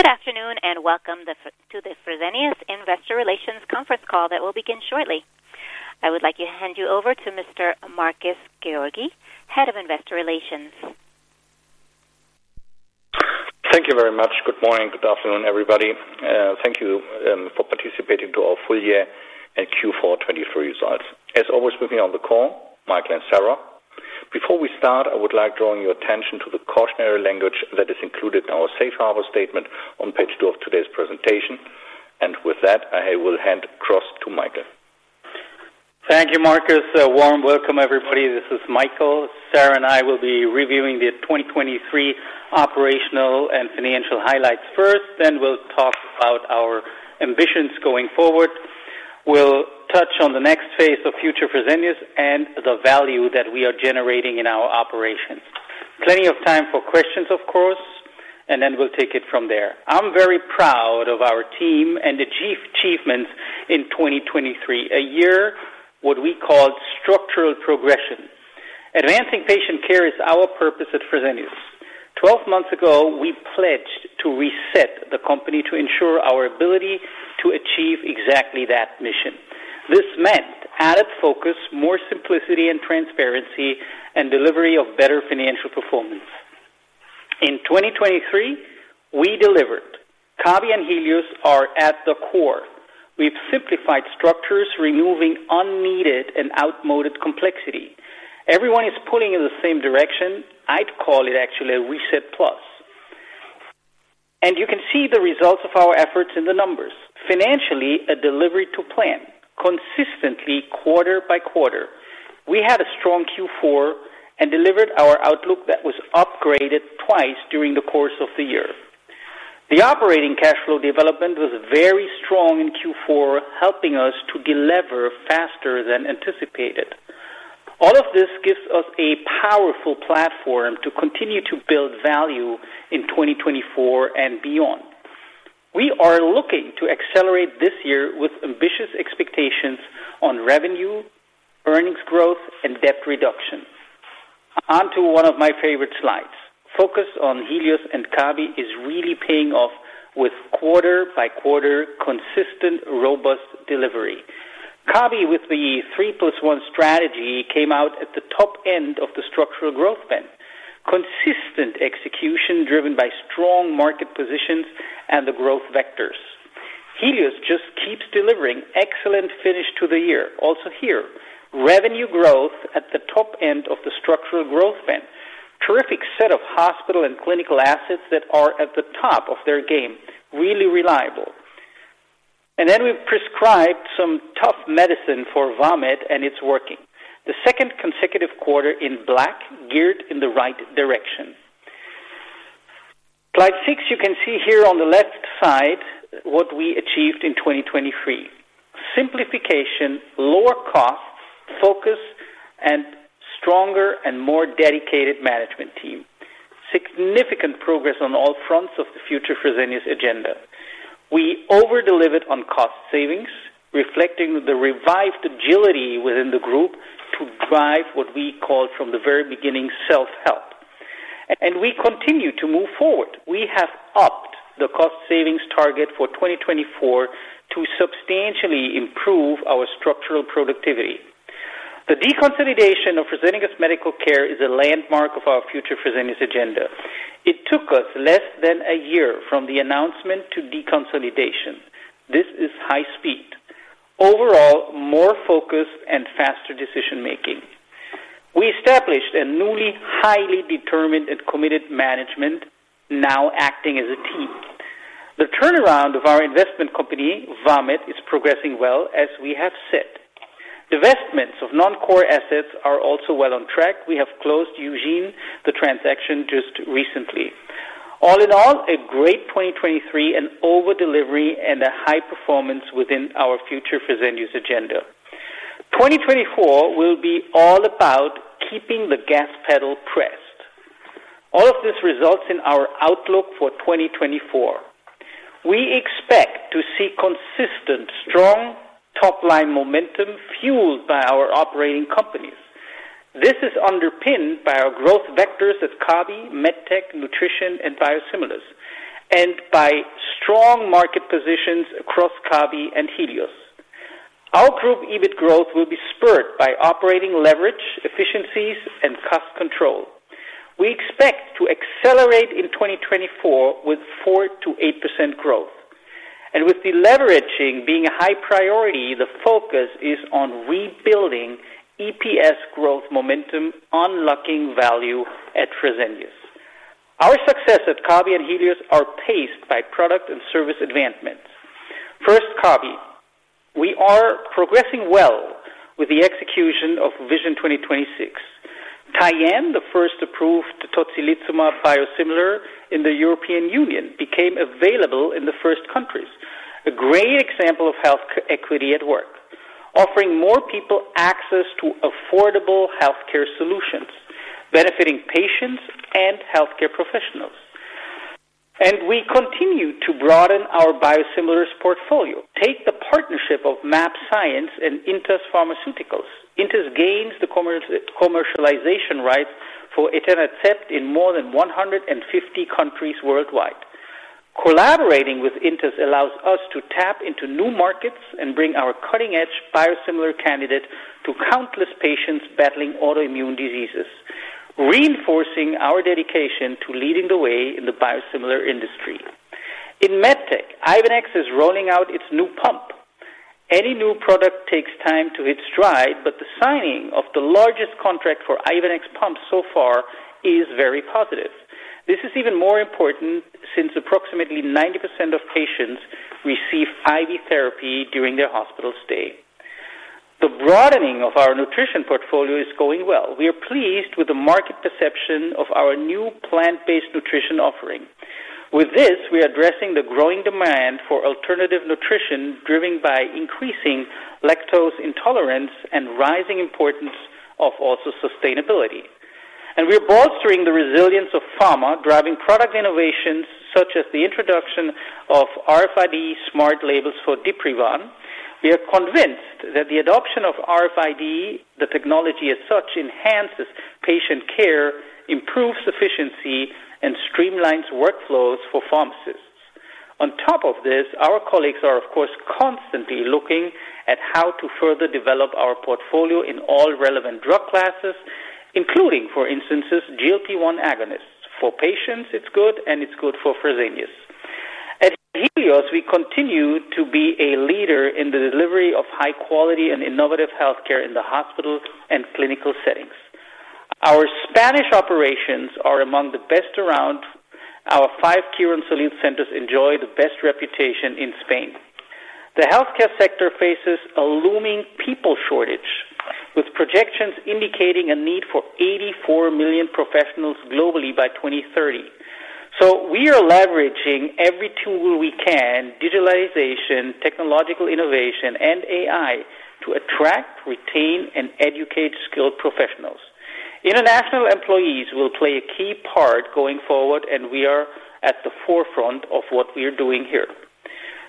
Good afternoon and welcome to the Fresenius Investor Relations conference call that will begin shortly. I would like to hand you over to Mr. Markus Georgi, Head of Investor Relations. Thank you very much. Good morning. Good afternoon, everybody. Thank you for participating in our full year and Q4 2023 results. As always with me on the call, Michael and Sara. Before we start, I would like to draw your attention to the cautionary language that is included in our safe harbor statement on page two of today's presentation. With that, I will hand over to Michael. Thank you, Markus. Warm welcome, everybody. This is Michael. Sara and I will be reviewing the 2023 operational and financial highlights first, then we'll talk about our ambitions going forward. We'll touch on the next phase of future Fresenius and the value that we are generating in our operations. Plenty of time for questions, of course, and then we'll take it from there. I'm very proud of our team and the chief achievements in 2023, a year what we called structural progression. Advancing patient care is our purpose at Fresenius. Twelve months ago, we pledged to reset the company to ensure our ability to achieve exactly that mission. This meant added focus, more simplicity and transparency, and delivery of better financial performance. In 2023, we delivered. Kabi and Helios are at the core. We've simplified structures, removing unneeded and outmoded complexity. Everyone is pulling in the same direction. I'd call it, actually, a reset plus. You can see the results of our efforts in the numbers. Financially, a delivery to plan, consistently quarter by quarter. We had a strong Q4 and delivered our outlook that was upgraded twice during the course of the year. The operating cash flow development was very strong in Q4, helping us to deliver faster than anticipated. All of this gives us a powerful platform to continue to build value in 2024 and beyond. We are looking to accelerate this year with ambitious expectations on revenue, earnings growth, and debt reduction. Onto one of my favorite slides. Focus on Helios and Kabi is really paying off with quarter-by-quarter consistent, robust delivery. Kabi, with the 3 + 1 strategy, came out at the top end of the structural growth band, consistent execution driven by strong market positions and the growth vectors. Helios just keeps delivering excellent finish to the year, also here. Revenue growth at the top end of the structural growth band, terrific set of hospital and clinical assets that are at the top of their game, really reliable. And then we prescribed some tough medicine for Vamed, and it's working. The second consecutive quarter in the black, geared in the right direction. Slide six, you can see here on the left side what we achieved in 2023: simplification, lower costs, focus, and stronger and more dedicated management team. Significant progress on all fronts of the Future Fresenius agenda. We overdelivered on cost savings, reflecting the revived agility within the group to drive what we called from the very beginning self-help. And we continue to move forward. We have upped the cost savings target for 2024 to substantially improve our structural productivity. The deconsolidation of Fresenius Medical Care is a landmark of our Future Fresenius agenda. It took us less than a year from the announcement to deconsolidation. This is high speed. Overall, more focus and faster decision-making. We established a newly highly determined and committed management, now acting as a team. The turnaround of our investment company, Vamed, is progressing well as we have set. Divestments of non-core assets are also well on track. We have closed several transactions just recently. All in all, a great 2023, an overdelivery, and a high performance within our Future Fresenius agenda. 2024 will be all about keeping the gas pedal pressed. All of this results in our outlook for 2024. We expect to see consistent, strong top-line momentum fueled by our operating companies. This is underpinned by our growth vectors at Kabi, MedTech, Nutrition, and Biosimilars, and by strong market positions across Kabi and Helios. Our group EBIT growth will be spurred by operating leverage, efficiencies, and cost control. We expect to accelerate in 2024 with 4% to 8% growth. With the leveraging being a high priority, the focus is on rebuilding EPS growth momentum, unlocking value at Fresenius. Our success at Kabi and Helios are paced by product and service advancements. First, Kabi. We are progressing well with the execution of Vision 2026. Tyenne, the first approved tocilizumab biosimilar in the European Union, became available in the first countries, a great example of health equity at work, offering more people access to affordable healthcare solutions, benefiting patients and healthcare professionals. We continue to broaden our biosimilars portfolio, take the partnership of mAbxience and Intas Pharmaceuticals. Intas gains the commercialization rights for etanercept in more than 150 countries worldwide. Collaborating with Intas allows us to tap into new markets and bring our cutting-edge biosimilar candidate to countless patients battling autoimmune diseases, reinforcing our dedication to leading the way in the biosimilar industry. In MedTech, Ivenix is rolling out its new pump. Any new product takes time to hit stride, but the signing of the largest contract for Ivenix pumps so far is very positive. This is even more important since approximately 90% of patients receive IV therapy during their hospital stay. The broadening of our nutrition portfolio is going well. We are pleased with the market perception of our new plant-based nutrition offering. With this, we are addressing the growing demand for alternative nutrition driven by increasing lactose intolerance and rising importance of also sustainability. We are bolstering the resilience of Pharma, driving product innovations such as the introduction of RFID smart labels for Diprivan. We are convinced that the adoption of RFID, the technology as such, enhances patient care, improves efficiency, and streamlines workflows for pharmacists. On top of this, our colleagues are, of course, constantly looking at how to further develop our portfolio in all relevant drug classes, including, for instance, GLP-1 agonists. For patients, it's good, and it's good for Fresenius. At Helios, we continue to be a leader in the delivery of high-quality and innovative healthcare in the hospital and clinical settings. Our Spanish operations are among the best around. Our five Quirónsalud centers enjoy the best reputation in Spain. The healthcare sector faces a looming people shortage, with projections indicating a need for 84 million professionals globally by 2030. We are leveraging every tool we can: digitalization, technological innovation, and AI to attract, retain, and educate skilled professionals. International employees will play a key part going forward, and we are at the forefront of what we are doing here.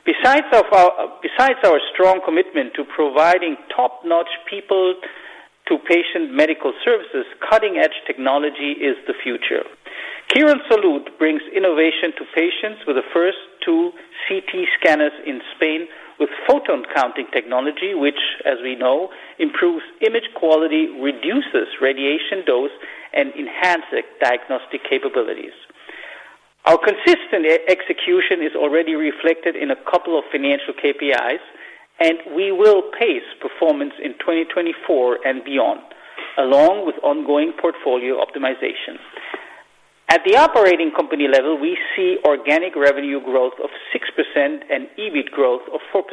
Besides our strong commitment to providing top-notch people-to-patient medical services, cutting-edge technology is the future. Quirónsalud brings innovation to patients with the first two CT scanners in Spain with photon counting technology, which, as we know, improves image quality, reduces radiation dose, and enhances diagnostic capabilities. Our consistent execution is already reflected in a couple of financial KPIs, and we will pace performance in 2024 and beyond, along with ongoing portfolio optimization. At the operating company level, we see organic revenue growth of 6% and EBIT growth of 4%.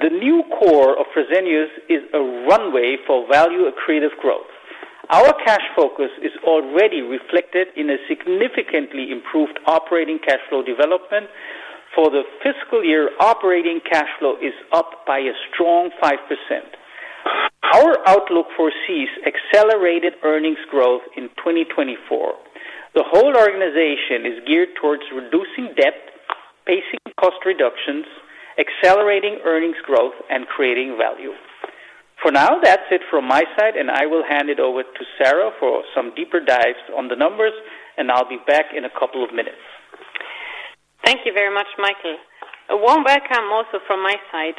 The new core of Fresenius is a runway for value accretive growth. Our cash focus is already reflected in a significantly improved operating cash flow development. For the fiscal year, operating cash flow is up by a strong 5%. Our outlook foresees accelerated earnings growth in 2024. The whole organization is geared towards reducing debt, pacing cost reductions, accelerating earnings growth, and creating value. For now, that's it from my side, and I will hand it over to Sara for some deeper dives on the numbers, and I'll be back in a couple of minutes. Thank you very much, Michael. A warm welcome also from my side.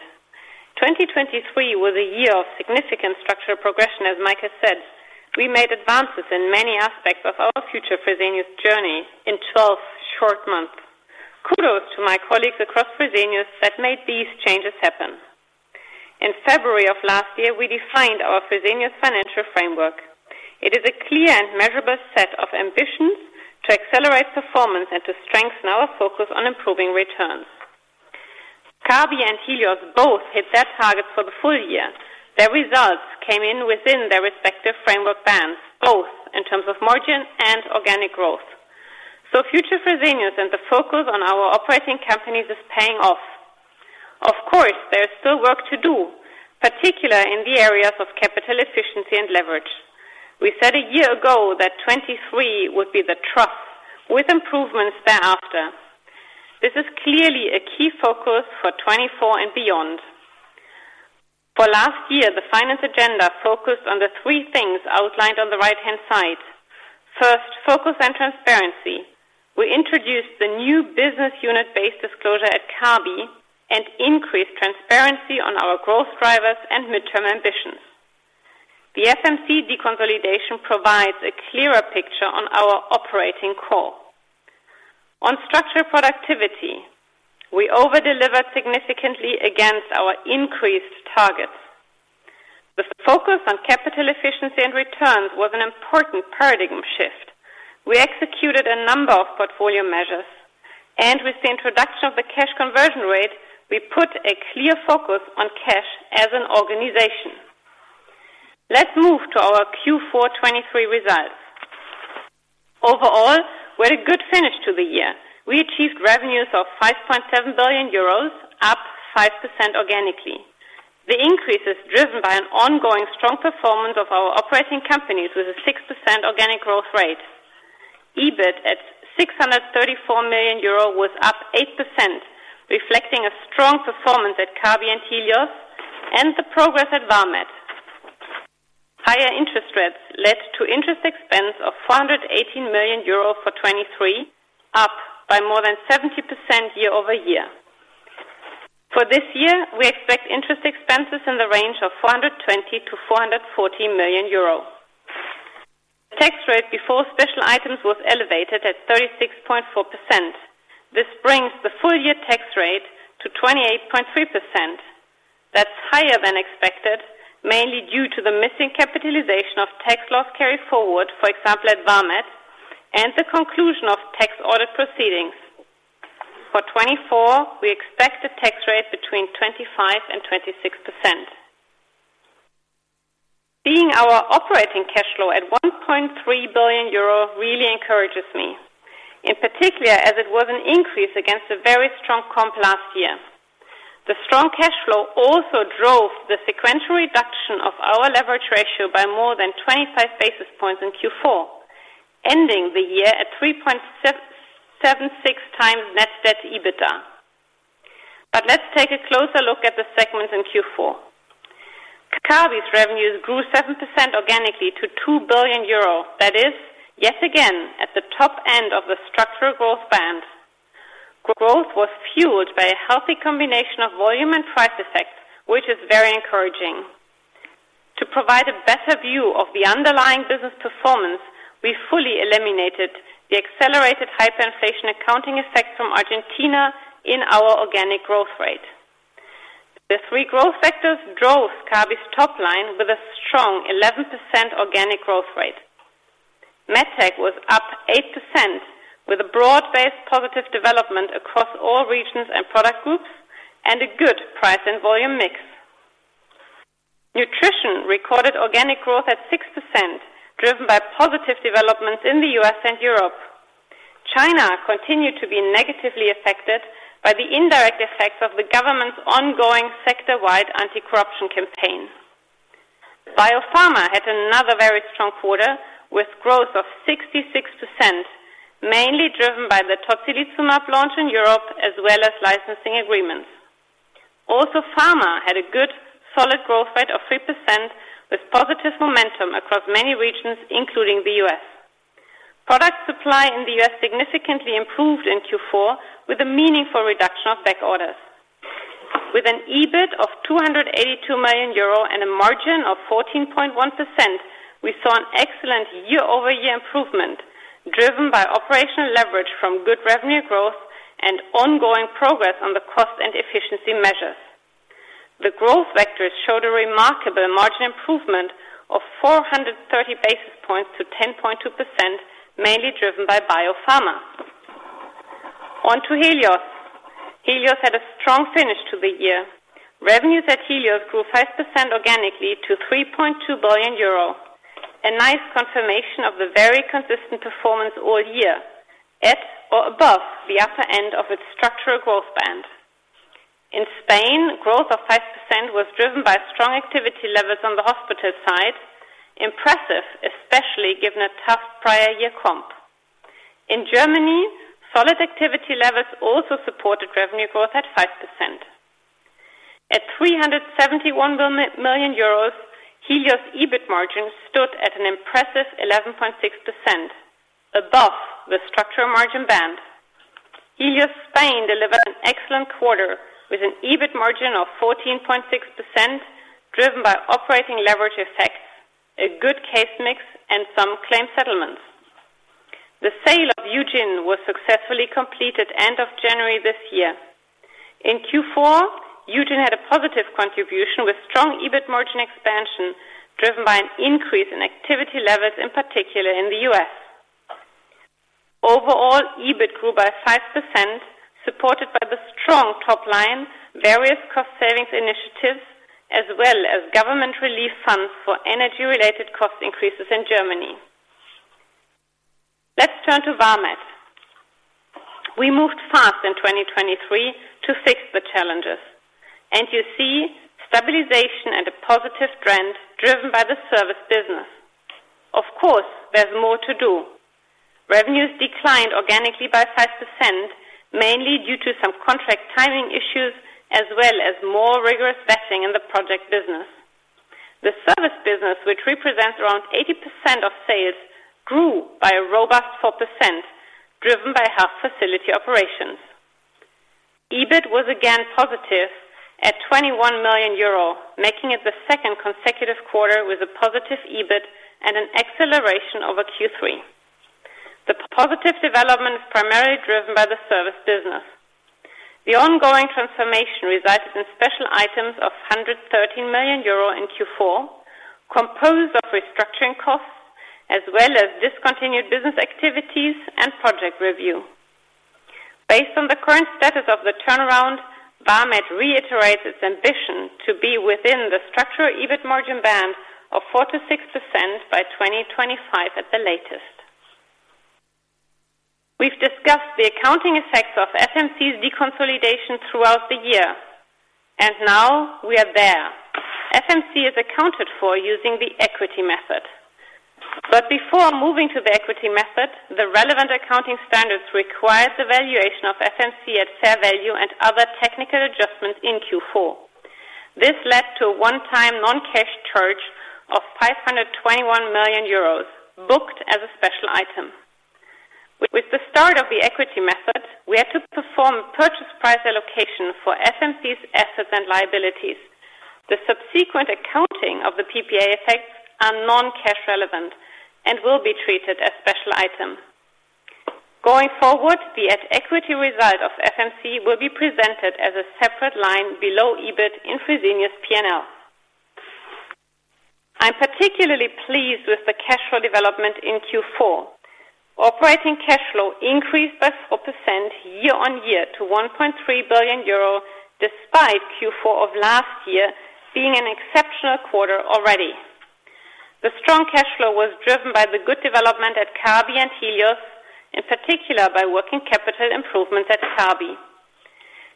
2023 was a year of significant structural progression, as Michael said. We made advances in many aspects of our Future Fresenius journey in 12 short months. Kudos to my colleagues across Fresenius that made these changes happen. In February of last year, we defined our Fresenius financial framework. It is a clear and measurable set of ambitions to accelerate performance and to strengthen our focus on improving returns. Kabi and Helios both hit that target for the full year. Their results came in within their respective framework bands, both in terms of margin and organic growth. So Future Fresenius and the focus on our operating companies is paying off. Of course, there is still work to do, particularly in the areas of capital efficiency and leverage. We said a year ago that 2023 would be the trough, with improvements thereafter. This is clearly a key focus for 2024 and beyond. For last year, the finance agenda focused on the three things outlined on the right-hand side. First, focus on transparency. We introduced the new business unit-based disclosure at Kabi and increased transparency on our growth drivers and midterm ambitions. The FMC deconsolidation provides a clearer picture on our operating core. On structural productivity, we overdelivered significantly against our increased targets. The focus on capital efficiency and returns was an important paradigm shift. We executed a number of portfolio measures, and with the introduction of the cash conversion rate, we put a clear focus on cash as an organization. Let's move to our Q4 2023 results. Overall, we had a good finish to the year. We achieved revenues of 5.7 billion euros, up 5% organically. The increase is driven by an ongoing strong performance of our operating companies with a 6% organic growth rate. EBIT at 634 million euro was up 8%, reflecting a strong performance at Kabi and Helios and the progress at Vamed. Higher interest rates led to interest expense of 418 million euro for 2023, up by more than 70% year over year. For this year, we expect interest expenses in the range of 420 million-440 million euro. The tax rate before special items was elevated at 36.4%. This brings the full-year tax rate to 28.3%. That's higher than expected, mainly due to the missing capitalization of tax loss carried forward, for example, at Vamed, and the conclusion of tax audit proceedings. For 2024, we expect a tax rate between 25% and 26%. Seeing our operating cash flow at 1.3 billion euro really encourages me, in particular as it was an increase against a very strong comp last year. The strong cash flow also drove the sequential reduction of our leverage ratio by more than 25 basis points in Q4, ending the year at 3.76 times net debt EBITDA. But let's take a closer look at the segments in Q4. Kabi's revenues grew 7% organically to 2 billion euro. That is, yet again, at the top end of the structural growth band. Growth was fueled by a healthy combination of volume and price effects, which is very encouraging. To provide a better view of the underlying business performance, we fully eliminated the accelerated hyperinflation accounting effects from Argentina in our organic growth rate. The three growth vectors drove Kabi's top line with a strong 11% organic growth rate. MedTech was up 8% with a broad-based positive development across all regions and product groups and a good price and volume mix. Nutrition recorded organic growth at 6%, driven by positive developments in the U.S. and Europe. China continued to be negatively affected by the indirect effects of the government's ongoing sector-wide anti-corruption campaign. Biopharma had another very strong quarter with growth of 66%, mainly driven by the tocilizumab launch in Europe as well as licensing agreements. Also, Pharma had a good, solid growth rate of 3% with positive momentum across many regions, including the U.S. Product supply in the U.S. significantly improved in Q4 with a meaningful reduction of back orders. With an EBIT of 282 million euro and a margin of 14.1%, we saw an excellent year-over-year improvement, driven by operational leverage from good revenue growth and ongoing progress on the cost and efficiency measures. The growth vectors showed a remarkable margin improvement of 430 basis points to 10.2%, mainly driven by biopharma. Onto Helios. Helios had a strong finish to the year. Revenues at Helios grew 5% organically to 3.2 billion euro, a nice confirmation of the very consistent performance all year, at or above the upper end of its structural growth band. In Spain, growth of 5% was driven by strong activity levels on the hospital side, impressive, especially given a tough prior year comp. In Germany, solid activity levels also supported revenue growth at 5%. At 371 million euros, Helios' EBIT margin stood at an impressive 11.6%, above the structural margin band. Helios Spain delivered an excellent quarter with an EBIT margin of 14.6%, driven by operating leverage effects, a good case mix, and some claim settlements. The sale of Eugin was successfully completed end of January this year. In Q4, Eugin had a positive contribution with strong EBIT margin expansion, driven by an increase in activity levels, in particular in the U.S. Overall, EBIT grew by 5%, supported by the strong top line, various cost-savings initiatives, as well as government relief funds for energy-related cost increases in Germany. Let's turn to Vamed. We moved fast in 2023 to fix the challenges. You see stabilization and a positive trend driven by the service business. Of course, there's more to do. Revenues declined organically by 5%, mainly due to some contract timing issues as well as more rigorous vetting in the project business. The service business, which represents around 80% of sales, grew by a robust 4%, driven by health facility operations. EBIT was again positive at 21 million euro, making it the second consecutive quarter with a positive EBIT and an acceleration over Q3. The positive development is primarily driven by the service business. The ongoing transformation resulted in special items of 113 million euro in Q4, composed of restructuring costs as well as discontinued business activities and project review. Based on the current status of the turnaround, Vamed reiterates its ambition to be within the structural EBIT margin band of 4% to 6% by 2025 at the latest. We've discussed the accounting effects of FMC's deconsolidation throughout the year, and now we are there. FMC is accounted for using the equity method. Before moving to the equity method, the relevant accounting standards required the valuation of FMC at fair value and other technical adjustments in Q4. This led to a one-time non-cash charge of 521 million euros, booked as a special item. With the start of the equity method, we had to perform purchase price allocation for FMC's assets and liabilities. The subsequent accounting of the PPA effects are non-cash relevant and will be treated as special item. Going forward, the at-equity result of FMC will be presented as a separate line below EBIT in Fresenius P&L. I'm particularly pleased with the cash flow development in Q4. Operating cash flow increased by 4% year-on-year to 1.3 billion euro, despite Q4 of last year being an exceptional quarter already. The strong cash flow was driven by the good development at Kabi and Helios, in particular by working capital improvements at Kabi.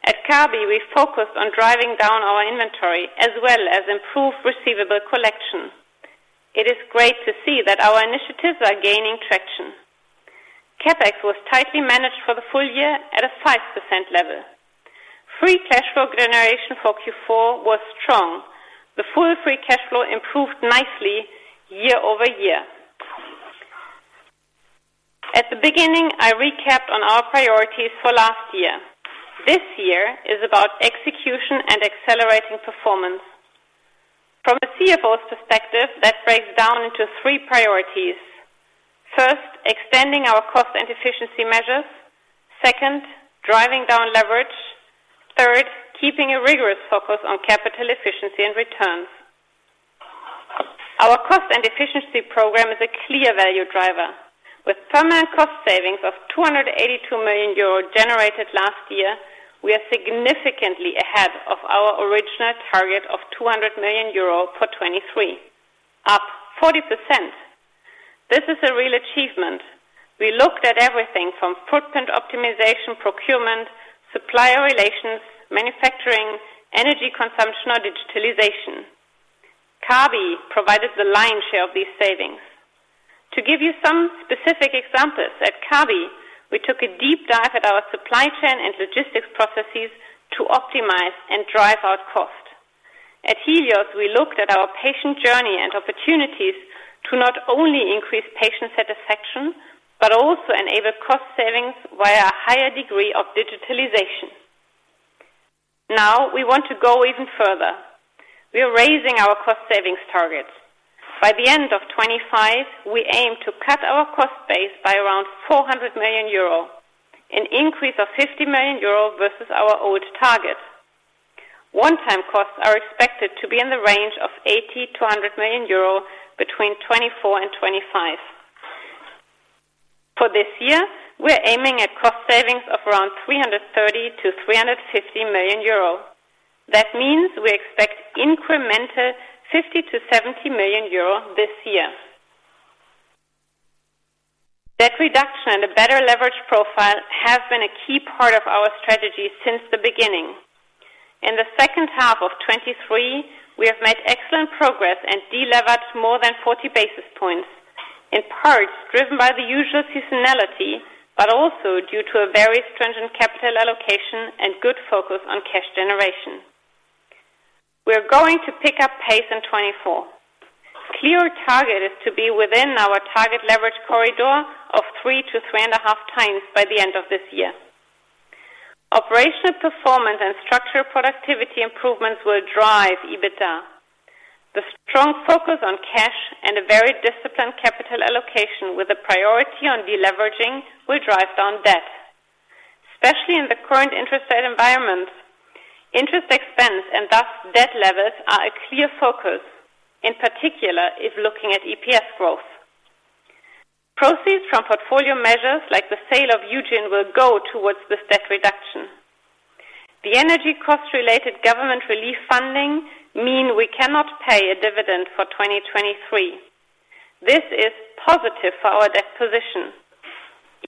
At Kabi, we focused on driving down our inventory as well as improved receivable collection. It is great to see that our initiatives are gaining traction. CapEx was tightly managed for the full year at a 5% level. Free cash flow generation for Q4 was strong. The full free cash flow improved nicely year-over-year. At the beginning, I recapped on our priorities for last year. This year is about execution and accelerating performance. From a CFO's perspective, that breaks down into three priorities: first, extending our cost and efficiency measures. Second, driving down leverage. Third, keeping a rigorous focus on capital efficiency and returns. Our cost and efficiency program is a clear value driver. With permanent cost savings of 282 million euro generated last year, we are significantly ahead of our original target of 200 million euro for 2023, up 40%. This is a real achievement. We looked at everything from footprint optimization, procurement, supplier relations, manufacturing, energy consumption, or digitalization. Kabi provided the lion's share of these savings. To give you some specific examples, at Kabi, we took a deep dive at our supply chain and logistics processes to optimize and drive out cost. At Helios, we looked at our patient journey and opportunities to not only increase patient satisfaction but also enable cost savings via a higher degree of digitalization. Now, we want to go even further. We are raising our cost savings targets. By the end of 2025, we aim to cut our cost base by around 400 million euro, an increase of 50 million euro versus our old target. One-time costs are expected to be in the range of 80 million-100 million euro between 2024 and 2025. For this year, we are aiming at cost savings of around 330 million to 350 million euro. That means we expect incremental 50 million to 70 million euro this year. Debt reduction and a better leverage profile have been a key part of our strategy since the beginning. In the second half of 2023, we have made excellent progress and deleveraged more than 40 basis points, in part driven by the usual seasonality but also due to a very stringent capital allocation and good focus on cash generation. We are going to pick up pace in 2024. Clear target is to be within our target leverage corridor of three to 3.5 times by the end of this year. Operational performance and structural productivity improvements will drive EBITDA. The strong focus on cash and a very disciplined capital allocation with a priority on deleveraging will drive down debt. Especially in the current interest rate environment, interest expense and thus debt levels are a clear focus, in particular if looking at EPS growth. Proceeds from portfolio measures like the sale of Eugin will go towards this debt reduction. The energy cost-related government relief funding means we cannot pay a dividend for 2023. This is positive for our debt position.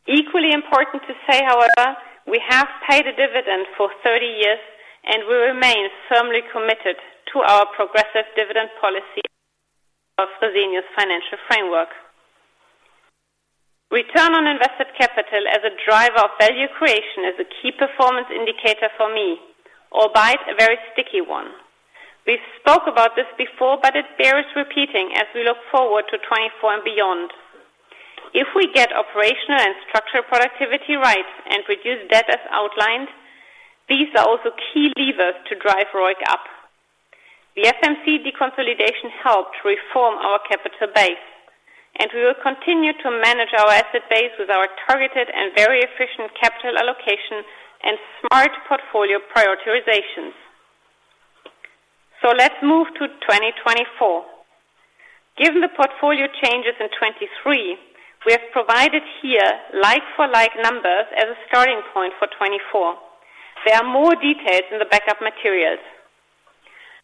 Equally important to say, however, we have paid a dividend for 30 years, and we remain firmly committed to our progressive dividend policy of Fresenius' financial framework. Return on invested capital as a driver of value creation is a key performance indicator for me, albeit a very sticky one. We've spoke about this before, but it bears repeating as we look forward to 2024 and beyond. If we get operational and structural productivity right and reduce debt as outlined, these are also key levers to drive ROIC up. The FMC deconsolidation helped reform our capital base, and we will continue to manage our asset base with our targeted and very efficient capital allocation and smart portfolio prioritizations. Let's move to 2024. Given the portfolio changes in 2023, we have provided here like-for-like numbers as a starting point for 2024. There are more details in the backup materials.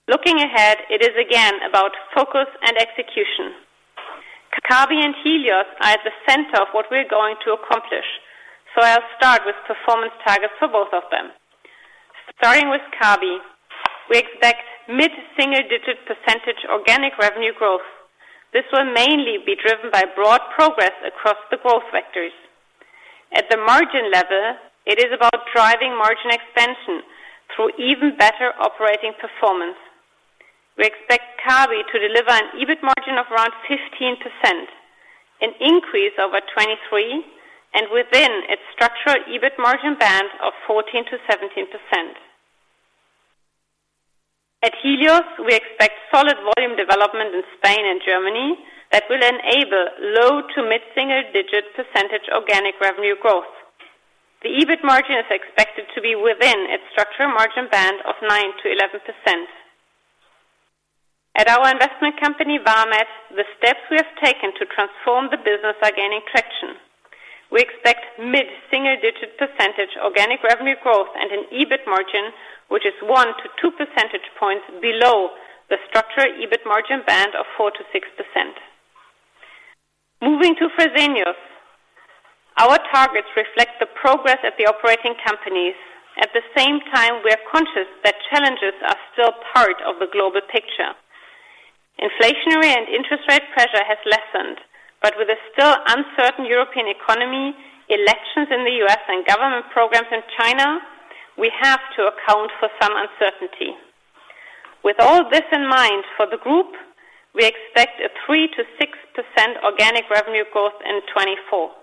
Looking ahead, it is again about focus and execution. Kabi and Helios are at the center of what we are going to accomplish, so I'll start with performance targets for both of them. Starting with Kabi, we expect mid-single-digit % organic revenue growth. This will mainly be driven by broad progress across the growth vectors. At the margin level, it is about driving margin expansion through even better operating performance. We expect Kabi to deliver an EBIT margin of around 15%, an increase over 2023, and within its structural EBIT margin band of 14% to 17%. At Helios, we expect solid volume development in Spain and Germany that will enable low- to mid-single-digit percentage organic revenue growth. The EBIT margin is expected to be within its structural margin band of 9% to 11%. At our investment company, Vamed, the steps we have taken to transform the business are gaining traction. We expect mid-single-digit percentage organic revenue growth and an EBIT margin which is one to two percentage points below the structural EBIT margin band of 4% to 6%. Moving to Fresenius, our targets reflect the progress at the operating companies. At the same time, we are conscious that challenges are still part of the global picture. Inflationary and interest rate pressure has lessened, but with a still uncertain European economy, elections in the U.S., and government programs in China, we have to account for some uncertainty. With all this in mind, for the group, we expect a 3% to 6% organic revenue growth in 2024.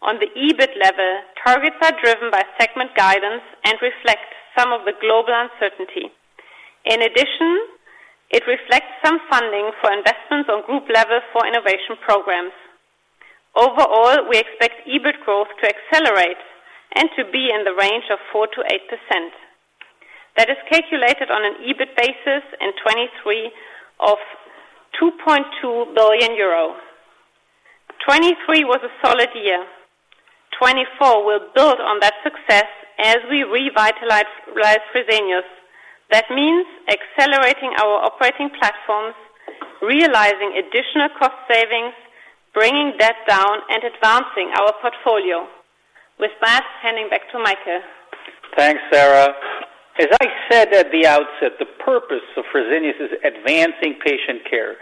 On the EBIT level, targets are driven by segment guidance and reflect some of the global uncertainty. In addition, it reflects some funding for investments on group level for innovation programs. Overall, we expect EBIT growth to accelerate and to be in the range of 4%-8%. That is calculated on an EBIT basis in 2023 of 2.2 billion euro. 2023 was a solid year. 2024 will build on that success as we revitalize Fresenius. That means accelerating our operating platforms, realizing additional cost savings, bringing debt down, and advancing our portfolio. With that, handing back to Michael. Thanks, Sara. As I said at the outset, the purpose of Fresenius is advancing patient care.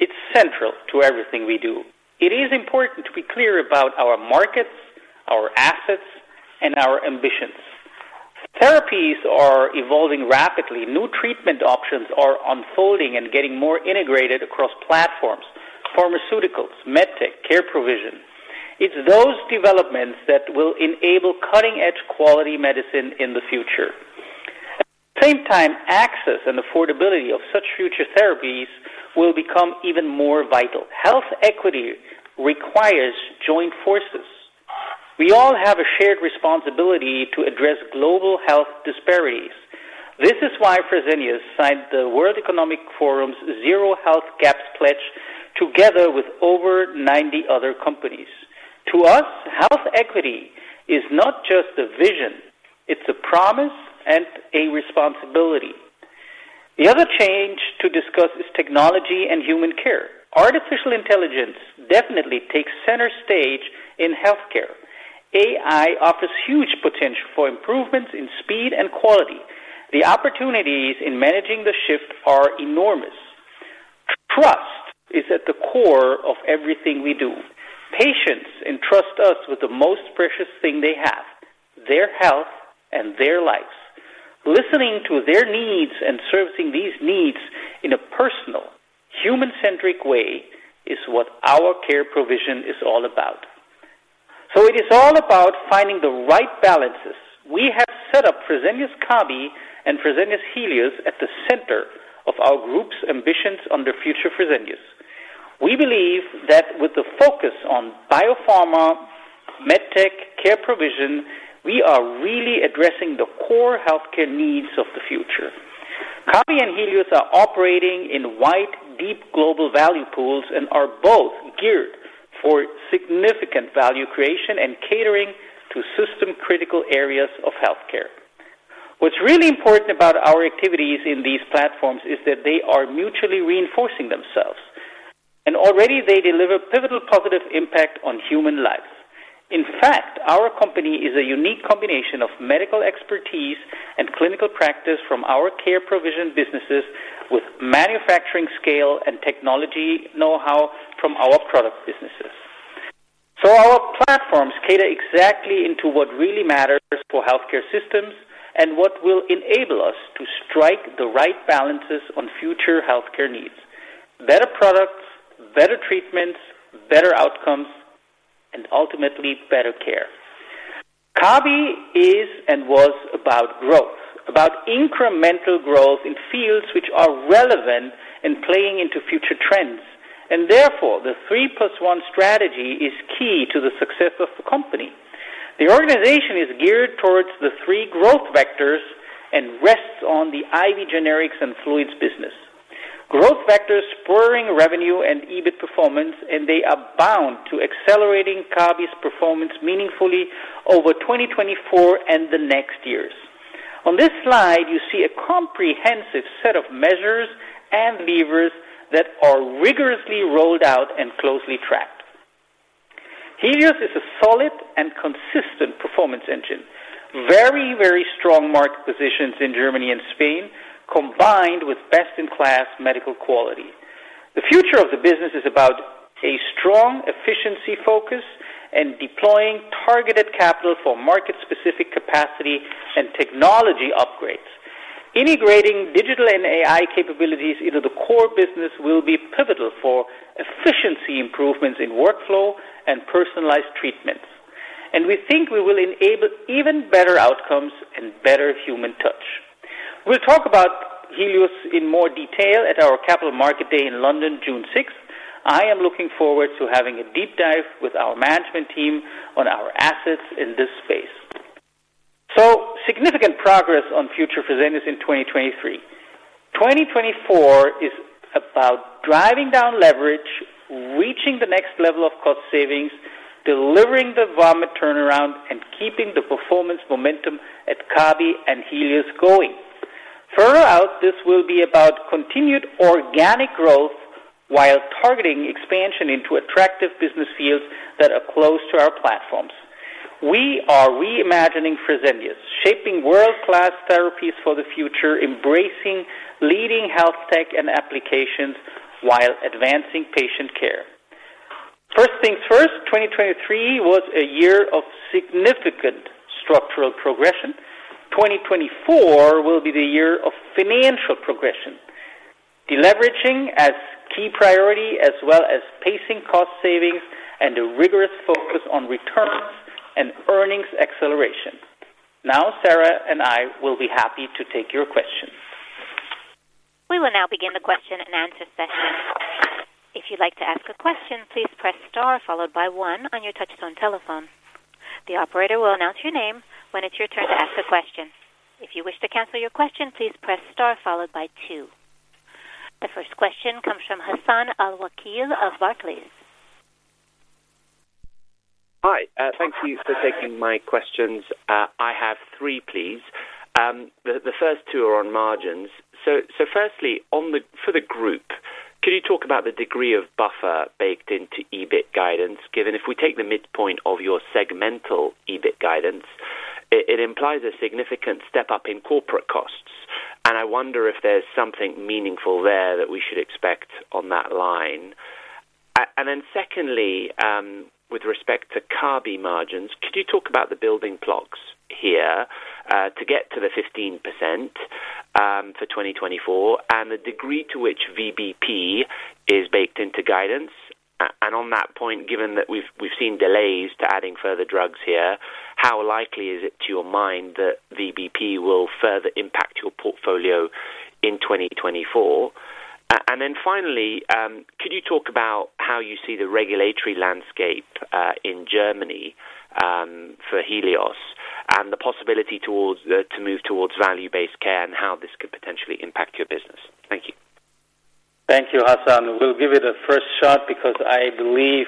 It's central to everything we do. It is important to be clear about our markets, our assets, and our ambitions. Therapies are evolving rapidly. New treatment options are unfolding and getting more integrated across platforms: pharmaceuticals, medtech, care provision. It's those developments that will enable cutting-edge quality medicine in the future. At the same time, access and affordability of such future therapies will become even more vital. Health equity requires joint forces. We all have a shared responsibility to address global health disparities. This is why Fresenius signed the World Economic Forum's Zero Health Gaps Pledge together with over 90 other companies. To us, health equity is not just a vision; it's a promise and a responsibility. The other change to discuss is technology and human care. Artificial intelligence definitely takes center stage in healthcare. AI offers huge potential for improvements in speed and quality. The opportunities in managing the shift are enormous. Trust is at the core of everything we do. Patients entrust us with the most precious thing they have: their health and their lives. Listening to their needs and servicing these needs in a personal, human-centric way is what our care provision is all about. So it is all about finding the right balances. We have set up Fresenius Kabi and Fresenius Helios at the center of our group's ambitions under Future Fresenius. We believe that with the focus on biopharma, medtech, care provision, we are really addressing the core healthcare needs of the future. Kabi and Helios are operating in wide, deep global value pools and are both geared for significant value creation and catering to system-critical areas of healthcare. What's really important about our activities in these platforms is that they are mutually reinforcing themselves, and already they deliver pivotal positive impact on human lives. In fact, our company is a unique combination of medical expertise and clinical practice from our care provision businesses with manufacturing scale and technology know-how from our product businesses. So our platforms cater exactly into what really matters for healthcare systems and what will enable us to strike the right balances on future healthcare needs: better products, better treatments, better outcomes, and ultimately better care. Kabi is and was about growth, about incremental growth in fields which are relevant and playing into future trends. And therefore, the 3 + 1 Strategy is key to the success of the company. The organization is geared towards the three growth vectors and rests on the IV generics and fluids business. Growth vectors spurring revenue and EBIT performance, and they are bound to accelerating Kabi's performance meaningfully over 2024 and the next years. On this slide, you see a comprehensive set of measures and levers that are rigorously rolled out and closely tracked. Helios is a solid and consistent performance engine, very, very strong market positions in Germany and Spain, combined with best-in-class medical quality. The future of the business is about a strong efficiency focus and deploying targeted capital for market-specific capacity and technology upgrades. Integrating digital and AI capabilities into the core business will be pivotal for efficiency improvements in workflow and personalized treatments. We think we will enable even better outcomes and better human touch. We'll talk about Helios in more detail at our Capital Markets Day in London, June 6th. I am looking forward to having a deep dive with our management team on our assets in this space. So significant progress on Future Fresenius in 2023. 2024 is about driving down leverage, reaching the next level of cost savings, delivering the Kabi turnaround, and keeping the performance momentum at Kabi and Helios going. Further out, this will be about continued organic growth while targeting expansion into attractive business fields that are close to our platforms. We are reimagining Fresenius, shaping world-class therapies for the future, embracing leading health tech and applications while advancing patient care. First things first, 2023 was a year of significant structural progression. 2024 will be the year of financial progression, deleveraging as key priority as well as pacing cost savings and a rigorous focus on returns and earnings acceleration. Now, Sara and I will be happy to take your questions. We will now begin the question and answer session. If you'd like to ask a question, please press star followed by one on your touch-tone telephone. The operator will announce your name when it's your turn to ask a question. If you wish to cancel your question, please press star followed by two. The first question comes from Hassan Al-Wakeel of Barclays. Hi. Thank you for taking my questions. I have three, please. The first two are on margins. So firstly, for the group, can you talk about the degree of buffer baked into EBIT guidance, given if we take the midpoint of your segmental EBIT guidance, it implies a significant step up in corporate costs. And I wonder if there's something meaningful there that we should expect on that line. And then secondly, with respect to Kabi margins, could you talk about the building blocks here to get to the 15% for 2024 and the degree to which VBP is baked into guidance? And on that point, given that we've seen delays to adding further drugs here, how likely is it to your mind that VBP will further impact your portfolio in 2024? And then finally, could you talk about how you see the regulatory landscape in Germany for Helios and the possibility to move towards value-based care and how this could potentially impact your business? Thank you. Thank you, Hassan. We'll give you the first shot because I believe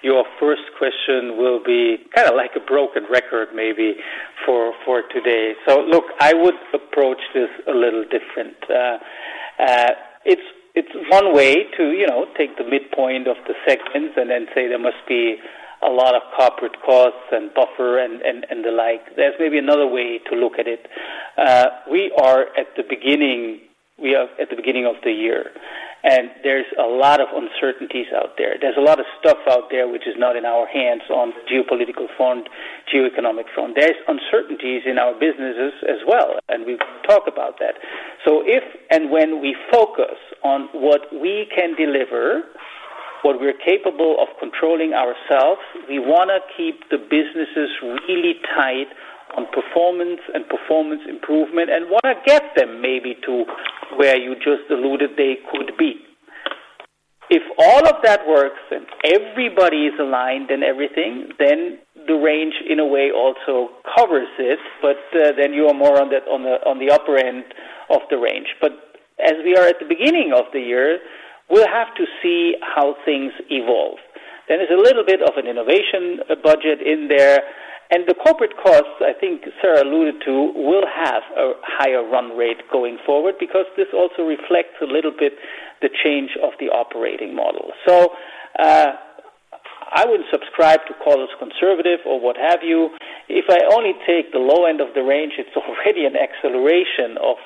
your first question will be kind of like a broken record maybe for today. So look, I would approach this a little different. It's one way to take the midpoint of the segments and then say there must be a lot of corporate costs and buffer and the like. There's maybe another way to look at it. We are at the beginning of the year, and there's a lot of uncertainties out there. There's a lot of stuff out there which is not in our hands on the geopolitical front, geoeconomic front. There's uncertainties in our businesses as well, and we've talked about that. So if and when we focus on what we can deliver, what we're capable of controlling ourselves, we want to keep the businesses really tight on performance and performance improvement and want to get them maybe to where you just alluded they could be. If all of that works and everybody is aligned and everything, then the range, in a way, also covers it, but then you are more on the upper end of the range. But as we are at the beginning of the year, we'll have to see how things evolve. There is a little bit of an innovation budget in there. The corporate costs, I think Sara alluded to, will have a higher run rate going forward because this also reflects a little bit the change of the operating model. I wouldn't subscribe to call us conservative or what have you. If I only take the low end of the range, it's already an acceleration of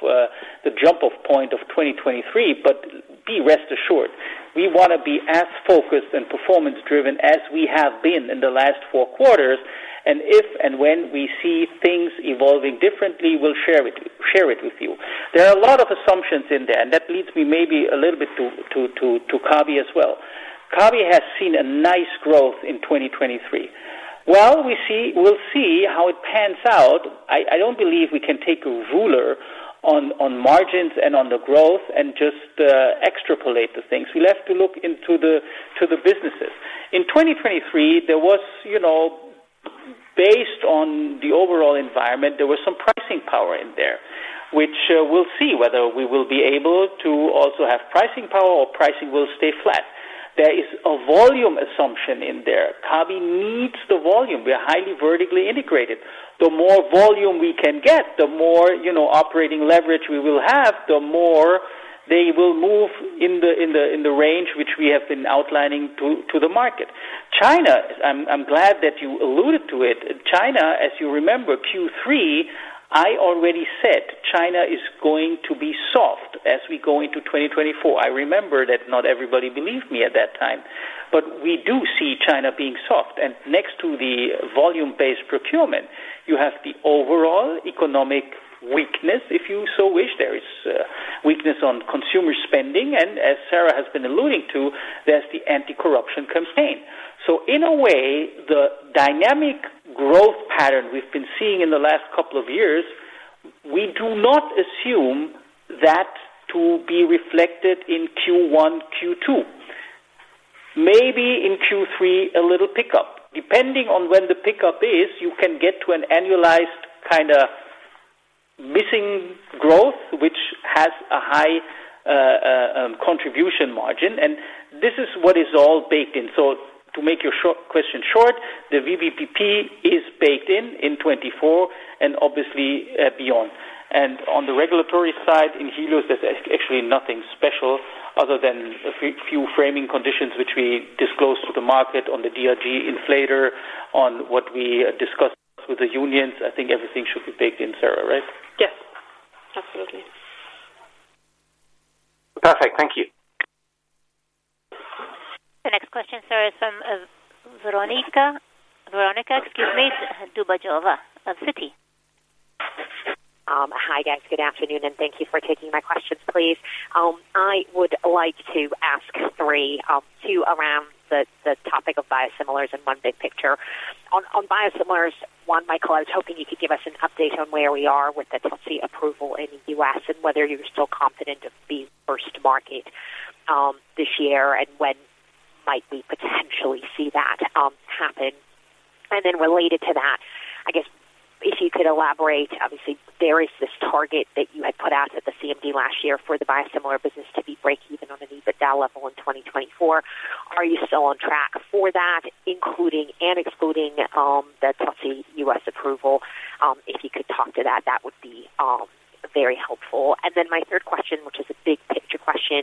the jump-off point of 2023. But be rest assured, we want to be as focused and performance-driven as we have been in the last four quarters. And if and when we see things evolving differently, we'll share it with you. There are a lot of assumptions in there, and that leads me maybe a little bit to Kabi as well. Kabi has seen a nice growth in 2023. Well, we'll see how it pans out. I don't believe we can take a ruler on margins and on the growth and just extrapolate the things. We'll have to look into the businesses. In 2023, based on the overall environment, there was some pricing power in there, which we'll see whether we will be able to also have pricing power or pricing will stay flat. There is a volume assumption in there. Kabi needs the volume. We are highly vertically integrated. The more volume we can get, the more operating leverage we will have, the more they will move in the range which we have been outlining to the market. China, I'm glad that you alluded to it. China, as you remember, Q3, I already said China is going to be soft as we go into 2024. I remember that not everybody believed me at that time. But we do see China being soft. And next to the volume-based procurement, you have the overall economic weakness, if you so wish. There is weakness on consumer spending. And as Sara has been alluding to, there's the anti-corruption campaign. So in a way, the dynamic growth pattern we've been seeing in the last couple of years, we do not assume that to be reflected in Q1, Q2. Maybe in Q3, a little pickup. Depending on when the pickup is, you can get to an annualized kind of missing growth which has a high contribution margin. And this is what is all baked in. So to make your question short, the VBP is baked in in 2024 and obviously beyond. And on the regulatory side, in Helios, there's actually nothing special other than a few framing conditions which we disclose to the market on the DRG inflator, on what we discussed with the unions. I think everything should be baked in, Sara, right? Yes. Absolutely. Perfect. Thank you. The next question, Sara, is from Veronika Dubajova of Citi. Hi, guys. Good afternoon, and thank you for taking my questions, please. I would like to ask three, two around the topic of biosimilars and one big picture. On biosimilars, one, Michael, I was hoping you could give us an update on where we are with the Tyenne approval in the U.S. and whether you're still confident of being first market this year and when might we potentially see that happen. And then related to that, I guess if you could elaborate, obviously, there is this target that you had put out at the CMD last year for the biosimilar business to be breakeven on an EBITDA level in 2024. Are you still on track for that, including and excluding the Tyenne U.S. approval? If you could talk to that, that would be very helpful. And then my third question, which is a big picture question,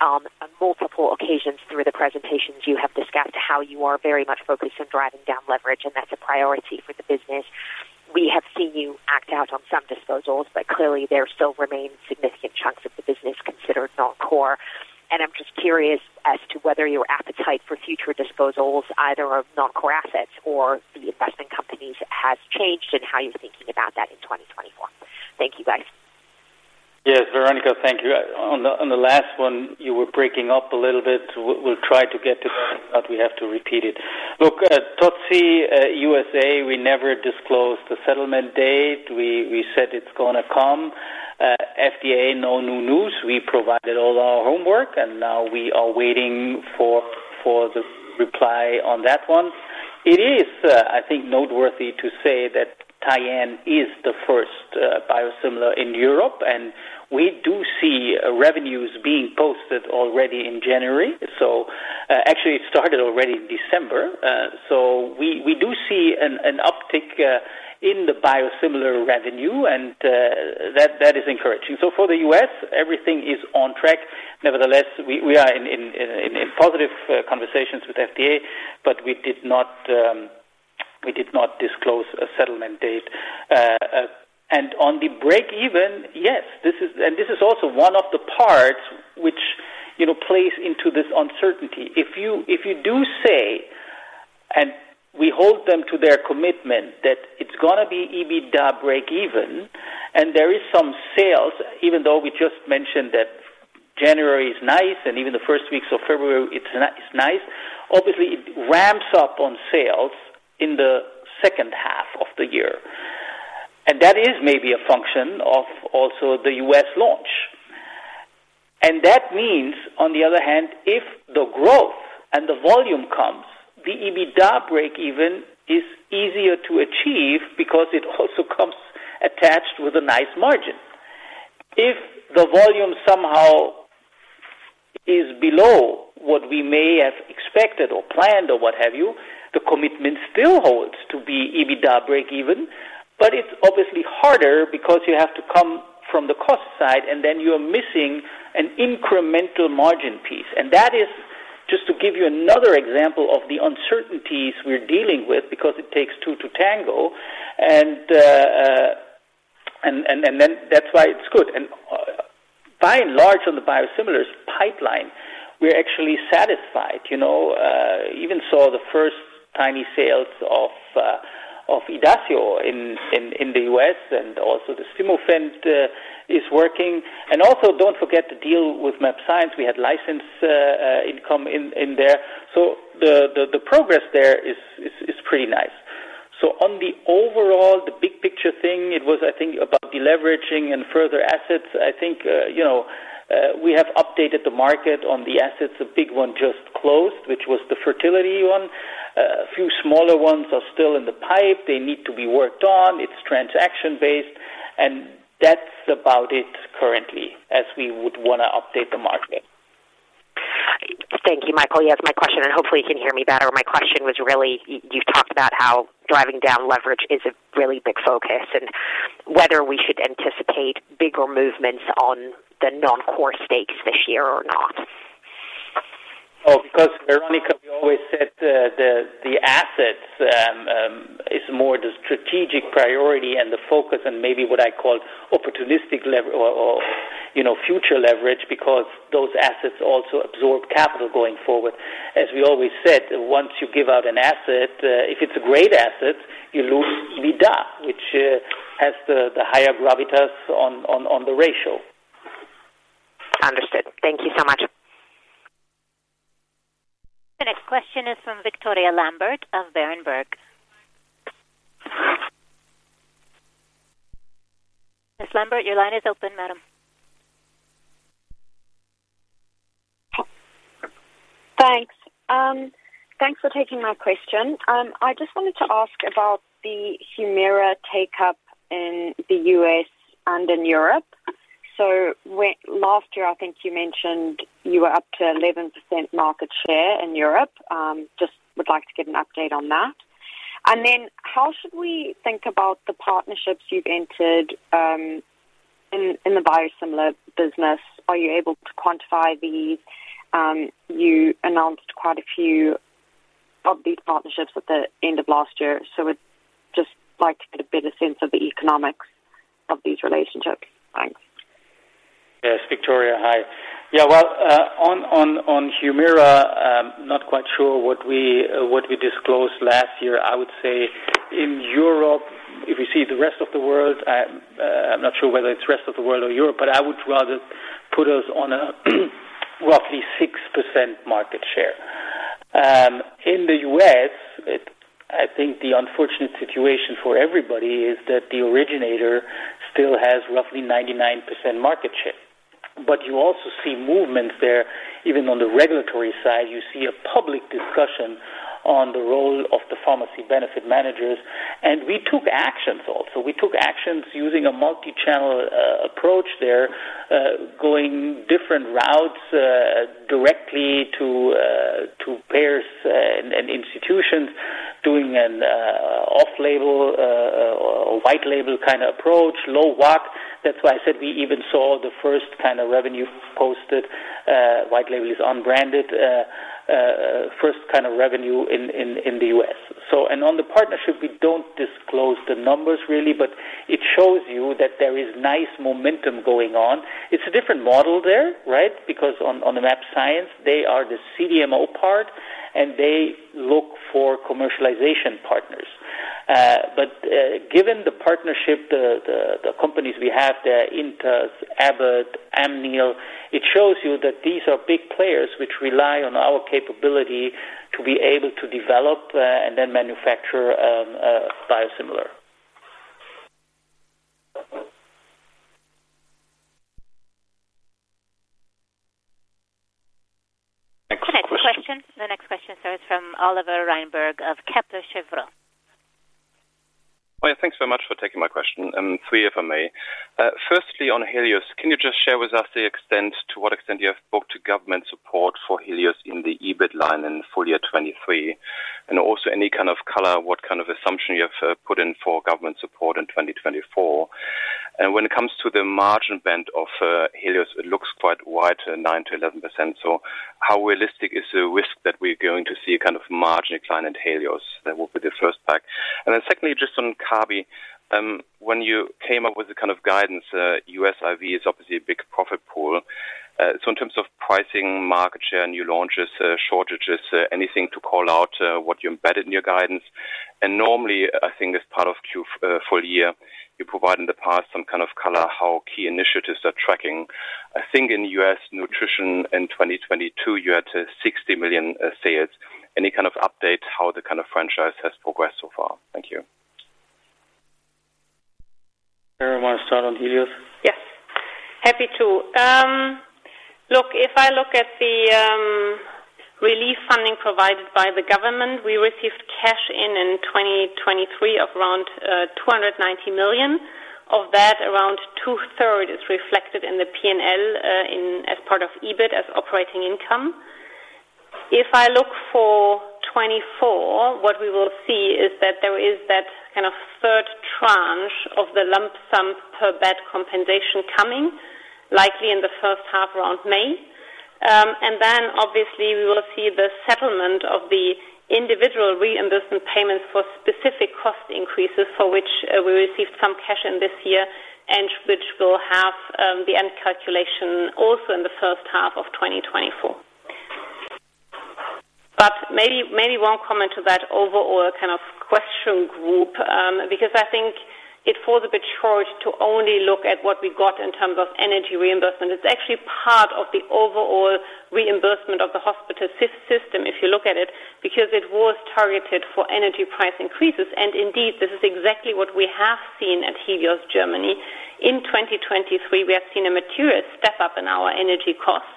on multiple occasions through the presentations, you have discussed how you are very much focused on driving down leverage, and that's a priority for the business. We have seen you act out on some disposals, but clearly, there still remain significant chunks of the business considered non-core. And I'm just curious as to whether your appetite for future disposals, either of non-core assets or the investment companies, has changed and how you're thinking about that in 2024. Thank you, guys. Yes, Veronica, thank you. On the last one, you were breaking up a little bit. We'll try to get to that, but we have to repeat it. Look, Tyenne USA, we never disclosed the settlement date. We said it's going to come. FDA, no new news. We provided all our homework, and now we are waiting for the reply on that one. It is, I think, noteworthy to say that Tyenne is the first biosimilar in Europe, and we do see revenues being posted already in January. So actually, it started already in December. So we do see an uptick in the biosimilar revenue, and that is encouraging. So for the U.S., everything is on track. Nevertheless, we are in positive conversations with FDA, but we did not disclose a settlement date. And on the breakeven, yes. And this is also one of the parts which plays into this uncertainty. If you do say, and we hold them to their commitment, that it's going to be EBITDA breakeven and there is some sales, even though we just mentioned that January is nice and even the first weeks of February is nice, obviously, it ramps up on sales in the second half of the year. And that is maybe a function of also the U.S. launch. And that means, on the other hand, if the growth and the volume comes, the EBITDA breakeven is easier to achieve because it also comes attached with a nice margin. If the volume somehow is below what we may have expected or planned or what have you, the commitment still holds to be EBITDA breakeven. But it's obviously harder because you have to come from the cost side, and then you are missing an incremental margin piece. That is just to give you another example of the uncertainties we're dealing with because it takes two to tango. And then that's why it's good. And by and large, on the biosimilars pipeline, we're actually satisfied. Even saw the first tiny sales of Idacio in the U.S., and also the Stimufend is working. And also, don't forget to deal with mAbxience. We had license income in there. So the progress there is pretty nice. So on the overall, the big picture thing, it was, I think, about deleveraging and further assets. I think we have updated the market on the assets. A big one just closed, which was the fertility one. A few smaller ones are still in the pipe. They need to be worked on. It's transaction-based. And that's about it currently as we would want to update the market. Thank you, Michael. Yes, my question, and hopefully you can hear me better. My question was really, you've talked about how driving down leverage is a really big focus and whether we should anticipate bigger movements on the non-core stakes this year or not. Oh, because Veronika, we always said the assets is more the strategic priority and the focus and maybe what I call opportunistic future leverage because those assets also absorb capital going forward. As we always said, once you give out an asset, if it's a great asset, you lose EBITDA, which has the higher gravitas on the ratio. Understood. Thank you so much. The next question is from Victoria Lambert of Berenberg. Ms. Lambert, your line is open, madam. Thanks. Thanks for taking my question. I just wanted to ask about the Humira takeup in the U.S. and in Europe. So last year, I think you mentioned you were up to 11% market share in Europe. Just would like to get an update on that. And then how should we think about the partnerships you've entered in the biosimilar business? Are you able to quantify these? You announced quite a few of these partnerships at the end of last year. So we'd just like to get a better sense of the economics of these relationships. Thanks. Yes, Victoria. Hi. Yeah, well, on Humira, not quite sure what we disclosed last year. I would say in Europe, if we see the rest of the world I'm not sure whether it's rest of the world or Europe, but I would rather put us on a roughly 6% market share. In the U.S., I think the unfortunate situation for everybody is that the originator still has roughly 99% market share. But you also see movements there. Even on the regulatory side, you see a public discussion on the role of the pharmacy benefit managers. And we took actions also. We took actions using a multi-channel approach there, going different routes directly to payers and institutions, doing an off-label or white-label kind of approach, low WAC. That's why I said we even saw the first kind of revenue posted. White-label is unbranded, first kind of revenue in the U.S. And on the partnership, we don't disclose the numbers, really, but it shows you that there is nice momentum going on. It's a different model there, right, because on the mAbxience, they are the CDMO part, and they look for commercialization partners. But given the partnership, the companies we have there, Intas, Abbott, Amneal, it shows you that these are big players which rely on our capability to be able to develop and then manufacture biosimilar. Next question. Question. The next question, Sara, is from Oliver Reinberg of Kepler Cheuvreux. Well, yeah, thanks so much for taking my question, three if I may. Firstly, on Helios, can you just share with us what extent you have booked government support for Helios in the EBIT line in full year 2023 and also any kind of color, what kind of assumption you have put in for government support in 2024? And when it comes to the margin band of Helios, it looks quite wide, 9% to 11%. So how realistic is the risk that we're going to see a kind of margin decline in Helios? That will be the first pack. And then secondly, just on Kabi, when you came up with the kind of guidance, U.S. IV is obviously a big profit pool. So in terms of pricing, market share, new launches, shortages, anything to call out what you embedded in your guidance. Normally, I think as part of Q full year, you provided in the past some kind of color how key initiatives are tracking. I think in U.S. nutrition in 2022, you had $60 million sales. Any kind of update how the kind of franchise has progressed so far? Thank you. Sara, you want to start on Helios? Yes. Happy to. Look, if I look at the relief funding provided by the government, we received cash in 2023 of around 290 million. Of that, around two-thirds is reflected in the P&L as part of EBIT as operating income. If I look for 2024, what we will see is that there is that kind of third tranche of the lump sum per bed compensation coming, likely in the first half around May. And then obviously, we will see the settlement of the individual reimbursement payments for specific cost increases for which we received some cash in this year and which will have the end calculation also in the first half of 2024. But maybe one comment to that overall kind of question group because I think it falls a bit short to only look at what we got in terms of energy reimbursement. It's actually part of the overall reimbursement of the hospital system, if you look at it, because it was targeted for energy price increases. Indeed, this is exactly what we have seen at Helios, Germany. In 2023, we have seen a material step-up in our energy costs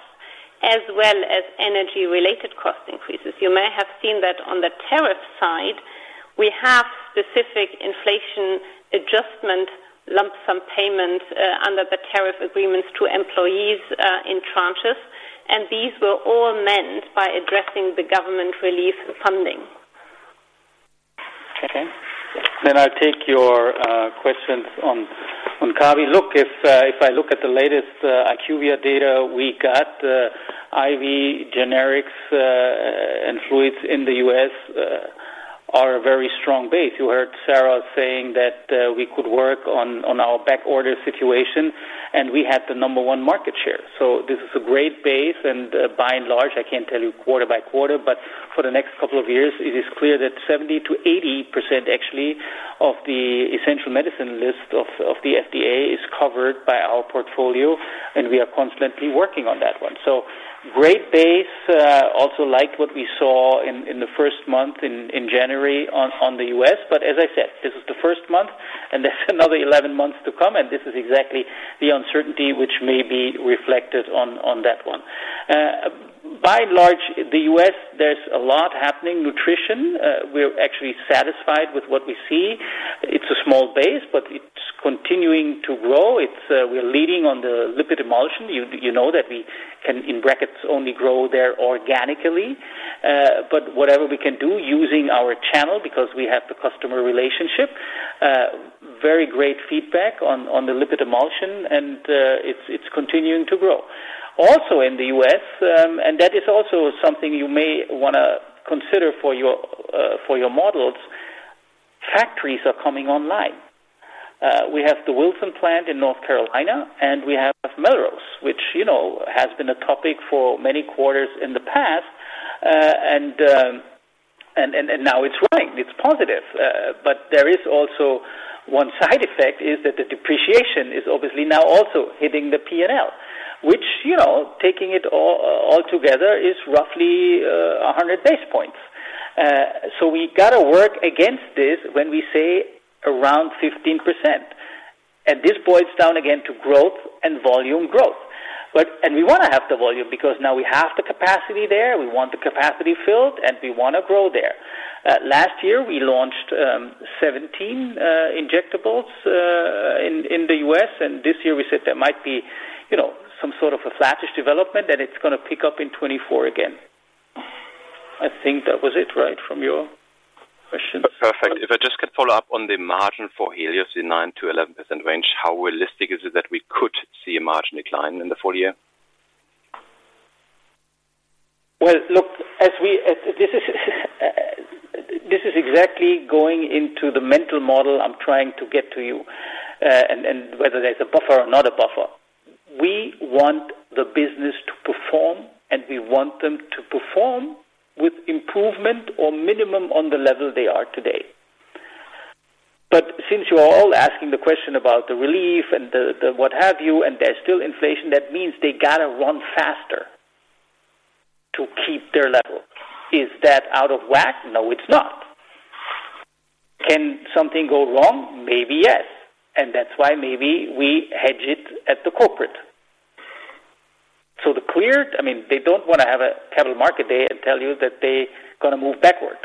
as well as energy-related cost increases. You may have seen that on the tariff side. We have specific inflation adjustment lump sum payments under the tariff agreements to employees in tranches. These were all meant by addressing the government relief funding. Okay. Then I'll take your questions on Kabi. Look, if I look at the latest IQVIA data, we got IV generics and fluids in the U.S. are a very strong base. You heard Sara saying that we could work on our backorder situation, and we had the number one market share. So this is a great base. And by and large, I can't tell you quarter by quarter, but for the next couple of years, it is clear that 70% to 80%, actually, of the essential medicine list of the FDA is covered by our portfolio, and we are constantly working on that one. So great base. Also liked what we saw in the first month in January on the U.S. But as I said, this is the first month, and there's another 11 months to come. This is exactly the uncertainty which may be reflected on that one. By and large, the U.S., there's a lot happening. Nutrition, we're actually satisfied with what we see. It's a small base, but it's continuing to grow. We're leading on the lipid emulsion. You know that we can, in brackets, only grow there organically. But whatever we can do using our channel because we have the customer relationship, very great feedback on the lipid emulsion, and it's continuing to grow. Also in the U.S., and that is also something you may want to consider for your models, factories are coming online. We have the Wilson plant in North Carolina, and we have Melrose, which has been a topic for many quarters in the past. Now it's running. It's positive. But there is also one side effect, which is that the depreciation is obviously now also hitting the P&L, which, taking it all together, is roughly 100 basis points. So we got to work against this when we say around 15%. And this boils down again to growth and volume growth. And we want to have the volume because now we have the capacity there. We want the capacity filled, and we want to grow there. Last year, we launched 17 injectables in the U.S. And this year, we said there might be some sort of a flattish development, and it's going to pick up in 2024 again. I think that was it, right, from your questions. Perfect. If I just could follow up on the margin for Helios in 9%-11% range, how realistic is it that we could see a margin decline in the full year? Well, look, this is exactly going into the mental model I'm trying to get to you and whether there's a buffer or not a buffer. We want the business to perform, and we want them to perform with improvement or minimum on the level they are today. But since you are all asking the question about the relief and what have you, and there's still inflation, that means they got to run faster to keep their level. Is that out of whack? No, it's not. Can something go wrong? Maybe, yes. And that's why maybe we hedge it at the corporate. So the clear I mean, they don't want to have a capital market day and tell you that they're going to move backward.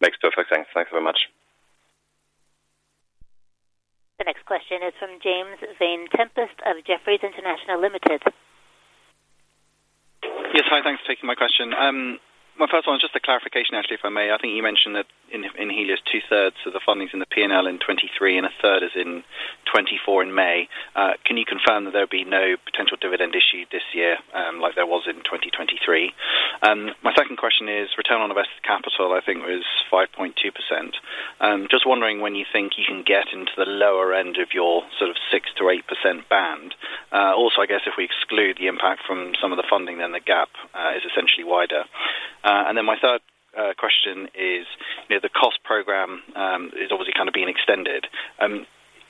Makes perfect sense. Thanks very much. The next question is from James Sheridan Tempest of Jefferies. Yes. Hi. Thanks for taking my question. My first one, just a clarification, actually, if I may. I think you mentioned that in Helios, 2/3 of the funding's in the P&L in 2023 and 1/3 is in 2024 in May. Can you confirm that there'll be no potential dividend issue this year like there was in 2023? My second question is return on invested capital, I think, was 5.2%. Just wondering when you think you can get into the lower end of your sort of 6% to 8% band. Also, I guess if we exclude the impact from some of the funding, then the gap is essentially wider. And then my third question is the cost program is obviously kind of being extended.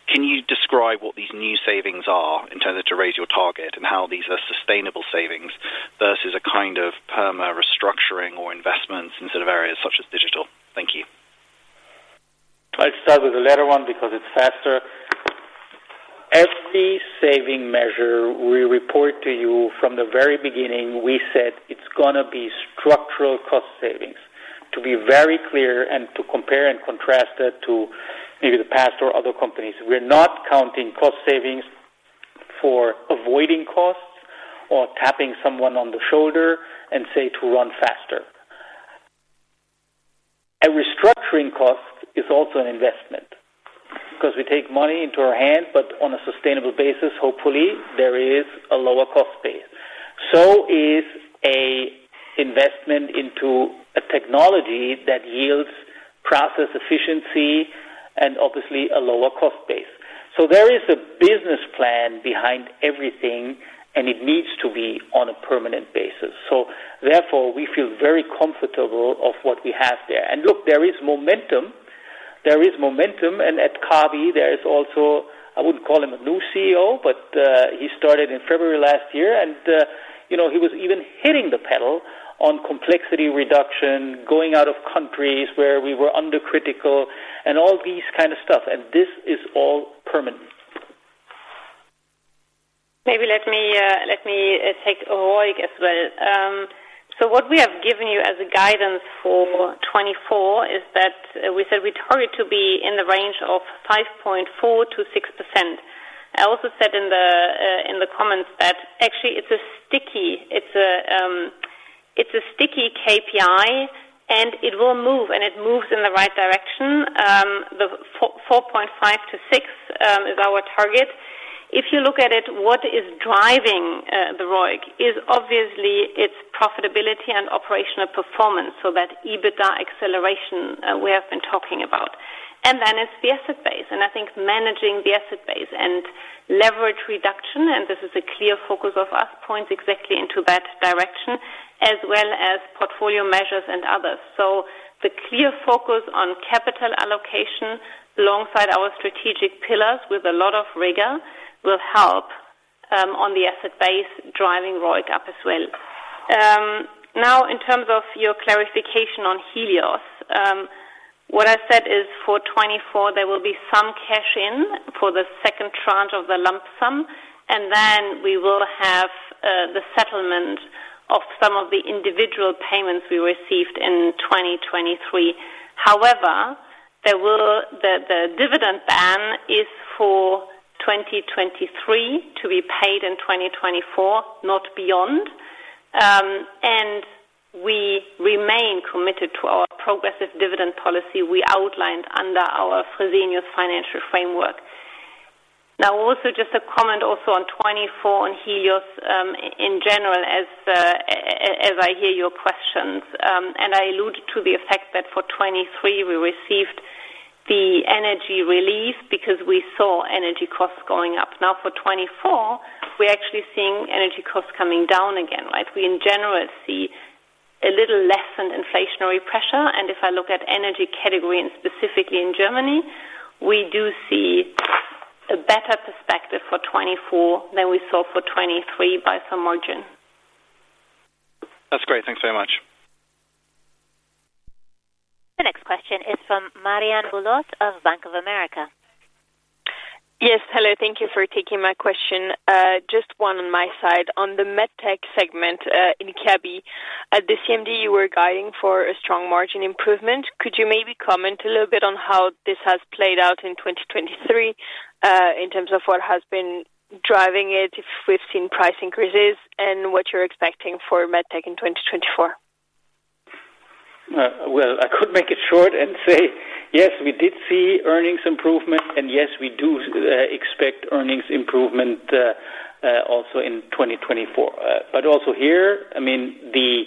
Can you describe what these new savings are in terms of to raise your target and how these are sustainable savings versus a kind of permanent restructuring or investments instead of areas such as digital? Thank you. I'll start with the latter one because it's faster. Every saving measure we report to you, from the very beginning, we said it's going to be structural cost savings. To be very clear and to compare and contrast it to maybe the past or other companies, we're not counting cost savings for avoiding costs or tapping someone on the shoulder and say to run faster. A restructuring cost is also an investment because we take money into our hand, but on a sustainable basis, hopefully, there is a lower cost base. So is a investment into a technology that yields process efficiency and obviously a lower cost base. So there is a business plan behind everything, and it needs to be on a permanent basis. So therefore, we feel very comfortable of what we have there. And look, there is momentum. There is momentum. At Kabi, there is also—I wouldn't call him a new CEO, but he started in February last year. He was even hitting the pedal on complexity reduction, going out of countries where we were subcritical, and all these kind of stuff. This is all permanent. Maybe let me take ROIC as well. So what we have given you as a guidance for 2024 is that we said we target to be in the range of 5.4%-6%. I also said in the comments that actually, it's a sticky KPI, and it will move, and it moves in the right direction. The 4.5% to 6% is our target. If you look at it, what is driving the ROIC is obviously its profitability and operational performance, so that EBITDA acceleration we have been talking about. And then it's the asset base. And I think managing the asset base and leverage reduction - and this is a clear focus of us - points exactly into that direction as well as portfolio measures and others. So the clear focus on capital allocation alongside our strategic pillars with a lot of rigor will help on the asset base driving ROIC up as well. Now, in terms of your clarification on Helios, what I said is for 2024, there will be some cash in for the second tranche of the lump sum, and then we will have the settlement of some of the individual payments we received in 2023. However, the dividend ban is for 2023 to be paid in 2024, not beyond. And we remain committed to our progressive dividend policy we outlined under our Fresenius Financial Framework. Now, also just a comment also on 2024 on Helios in general as I hear your questions. And I alluded to the effect that for 2023, we received the energy relief because we saw energy costs going up. Now, for 2024, we're actually seeing energy costs coming down again, right? We, in general, see a little lessened inflationary pressure. If I look at energy category and specifically in Germany, we do see a better perspective for 2024 than we saw for 2023 by some margin. That's great. Thanks very much. The next question is from Marianne Bulot of Bank of America. Yes. Hello. Thank you for taking my question. Just one on my side. On the MedTech segment in Kabi, the CMD you were guiding for a strong margin improvement. Could you maybe comment a little bit on how this has played out in 2023 in terms of what has been driving it, if we've seen price increases, and what you're expecting for MedTech in 2024? Well, I could make it short and say, yes, we did see earnings improvement, and yes, we do expect earnings improvement also in 2024. But also here, I mean, the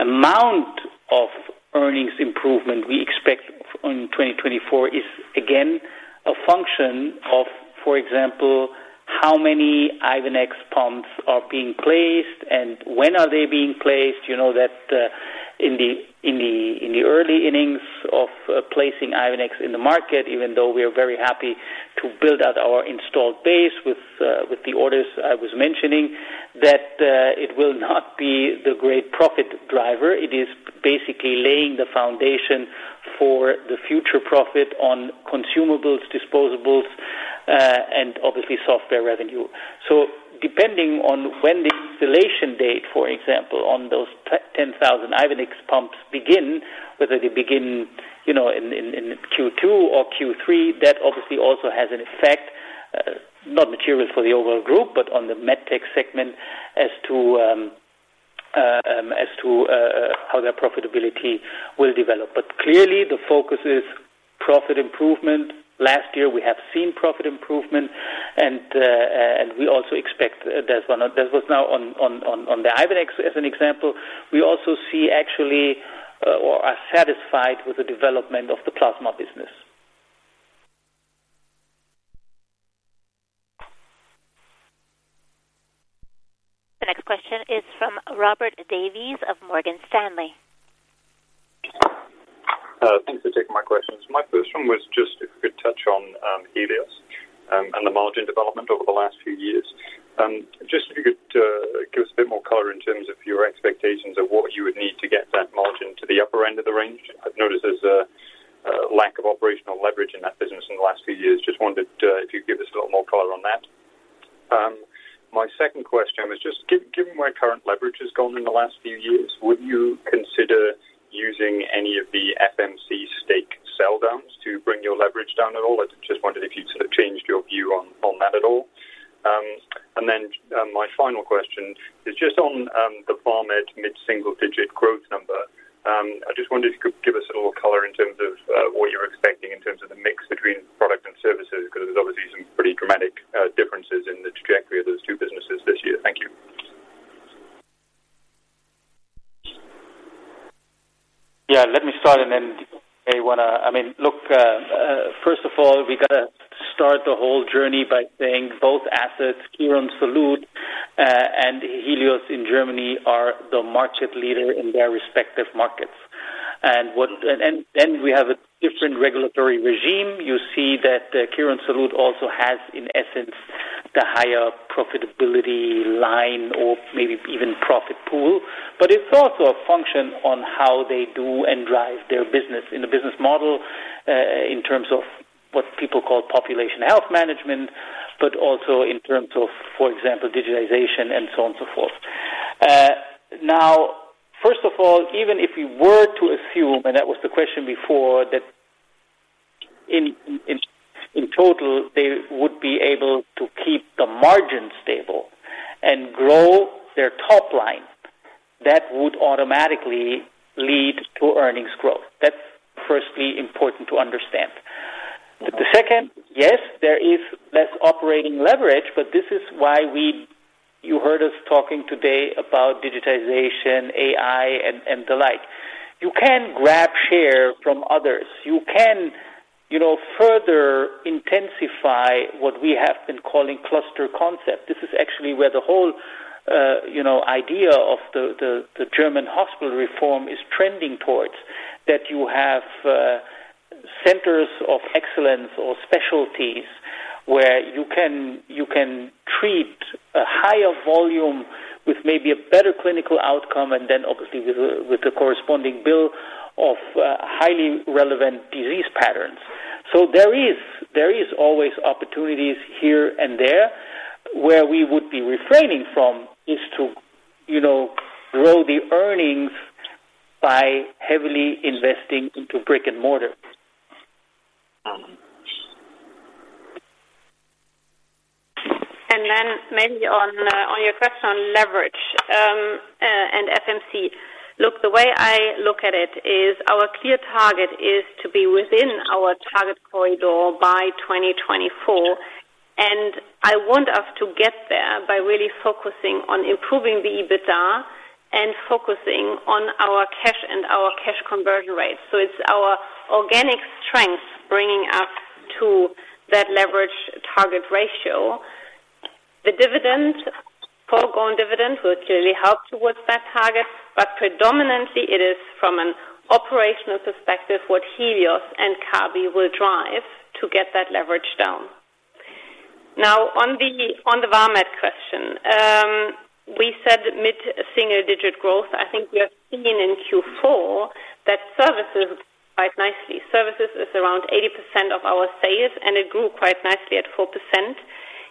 amount of earnings improvement we expect in 2024 is, again, a function of, for example, how many Ivenix pumps are being placed and when are they being placed. You know that in the early innings of placing Ivenix in the market, even though we are very happy to build out our installed base with the orders I was mentioning, that it will not be the great profit driver. It is basically laying the foundation for the future profit on consumables, disposables, and obviously software revenue. So depending on when the installation date, for example, on those 10,000 Ivenix pumps begin, whether they begin in Q2 or Q3, that obviously also has an effect, not material for the overall group, but on the MedTech segment as to how their profitability will develop. But clearly, the focus is profit improvement. Last year, we have seen profit improvement, and we also expect that's what's now on the Ivenix as an example. We also see actually or are satisfied with the development of the plasma business. The next question is from Robert Davies of Morgan Stanley. Thanks for taking my questions. My first one was just if you could touch on Helios and the margin development over the last few years. Just if you could give us a bit more color in terms of your expectations of what you would need to get that margin to the upper end of the range. I've noticed there's a lack of operational leverage in that business in the last few years. Just wondered if you could give us a little more color on that. My second question was just given where current leverage has gone in the last few years, would you consider using any of the FMC stake sell-downs to bring your leverage down at all? I just wondered if you'd sort of changed your view on that at all. And then my final question is just on the Vamed mid-single-digit growth number. I just wondered if you could give us a little color in terms of what you're expecting in terms of the mix between product and services because there's obviously some pretty dramatic differences in the trajectory of those two businesses this year. Thank you. Yeah. Let me start, and then I mean, look, first of all, we got to start the whole journey by saying both assets, Quirónsalud and Helios in Germany, are the market leader in their respective markets. And then we have a different regulatory regime. You see that Quirónsalud also has, in essence, the higher profitability line or maybe even profit pool. But it's also a function of how they do and drive their business in a business model in terms of what people call population health management, but also in terms of, for example, digitization and so on and so forth. Now, first of all, even if we were to assume, and that was the question before, that in total, they would be able to keep the margin stable and grow their top line, that would automatically lead to earnings growth. That's firstly important to understand. The second, yes, there is less operating leverage, but this is why you heard us talking today about digitization, AI, and the like. You can grab share from others. You can further intensify what we have been calling cluster concept. This is actually where the whole idea of the German hospital reform is trending towards, that you have centers of excellence or specialties where you can treat a higher volume with maybe a better clinical outcome and then obviously with the corresponding bill of highly relevant disease patterns. So there is always opportunities here and there. Where we would be refraining from is to grow the earnings by heavily investing into brick and mortar. And then maybe on your question on leverage and FMC, look, the way I look at it is our clear target is to be within our target corridor by 2024. And I want us to get there by really focusing on improving the EBITDA and focusing on our cash and our cash conversion rate. So it's our organic strength bringing us to that leverage target ratio. The dividend, foregone dividend, will clearly help towards that target, but predominantly, it is from an operational perspective what Helios and Kabi will drive to get that leverage down. Now, on the Vamed question, we said mid-single-digit growth. I think we have seen in Q4 that services grew quite nicely. Services is around 80% of our sales, and it grew quite nicely at 4%.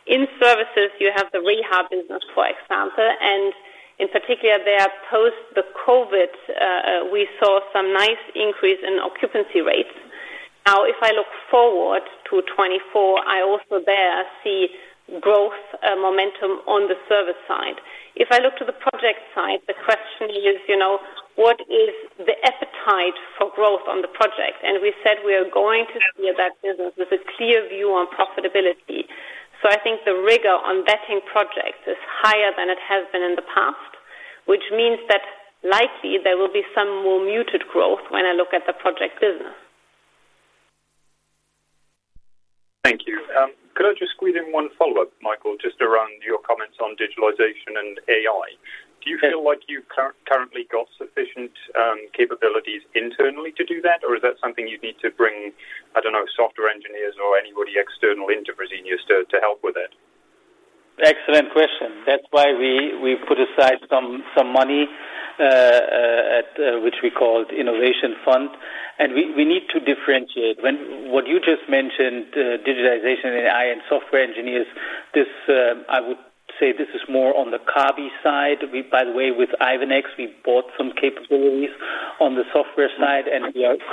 In services, you have the rehab business, for example. In particular, there post the COVID, we saw some nice increase in occupancy rates. Now, if I look forward to 2024, I also there see growth momentum on the service side. If I look to the project side, the question is what is the appetite for growth on the project? And we said we are going to see that business with a clear view on profitability. So I think the rigor on vetting projects is higher than it has been in the past, which means that likely, there will be some more muted growth when I look at the project business. Thank you. Could I just squeeze in one follow-up, Michael, just around your comments on digitalization and AI? Do you feel like you've currently got sufficient capabilities internally to do that, or is that something you'd need to bring, I don't know, software engineers or anybody external into Fresenius to help with it? Excellent question. That's why we put aside some money, which we called Innovation Fund. We need to differentiate. What you just mentioned, digitization and AI and software engineers, I would say this is more on the Kabi side. By the way, with Ivenix, we bought some capabilities on the software side.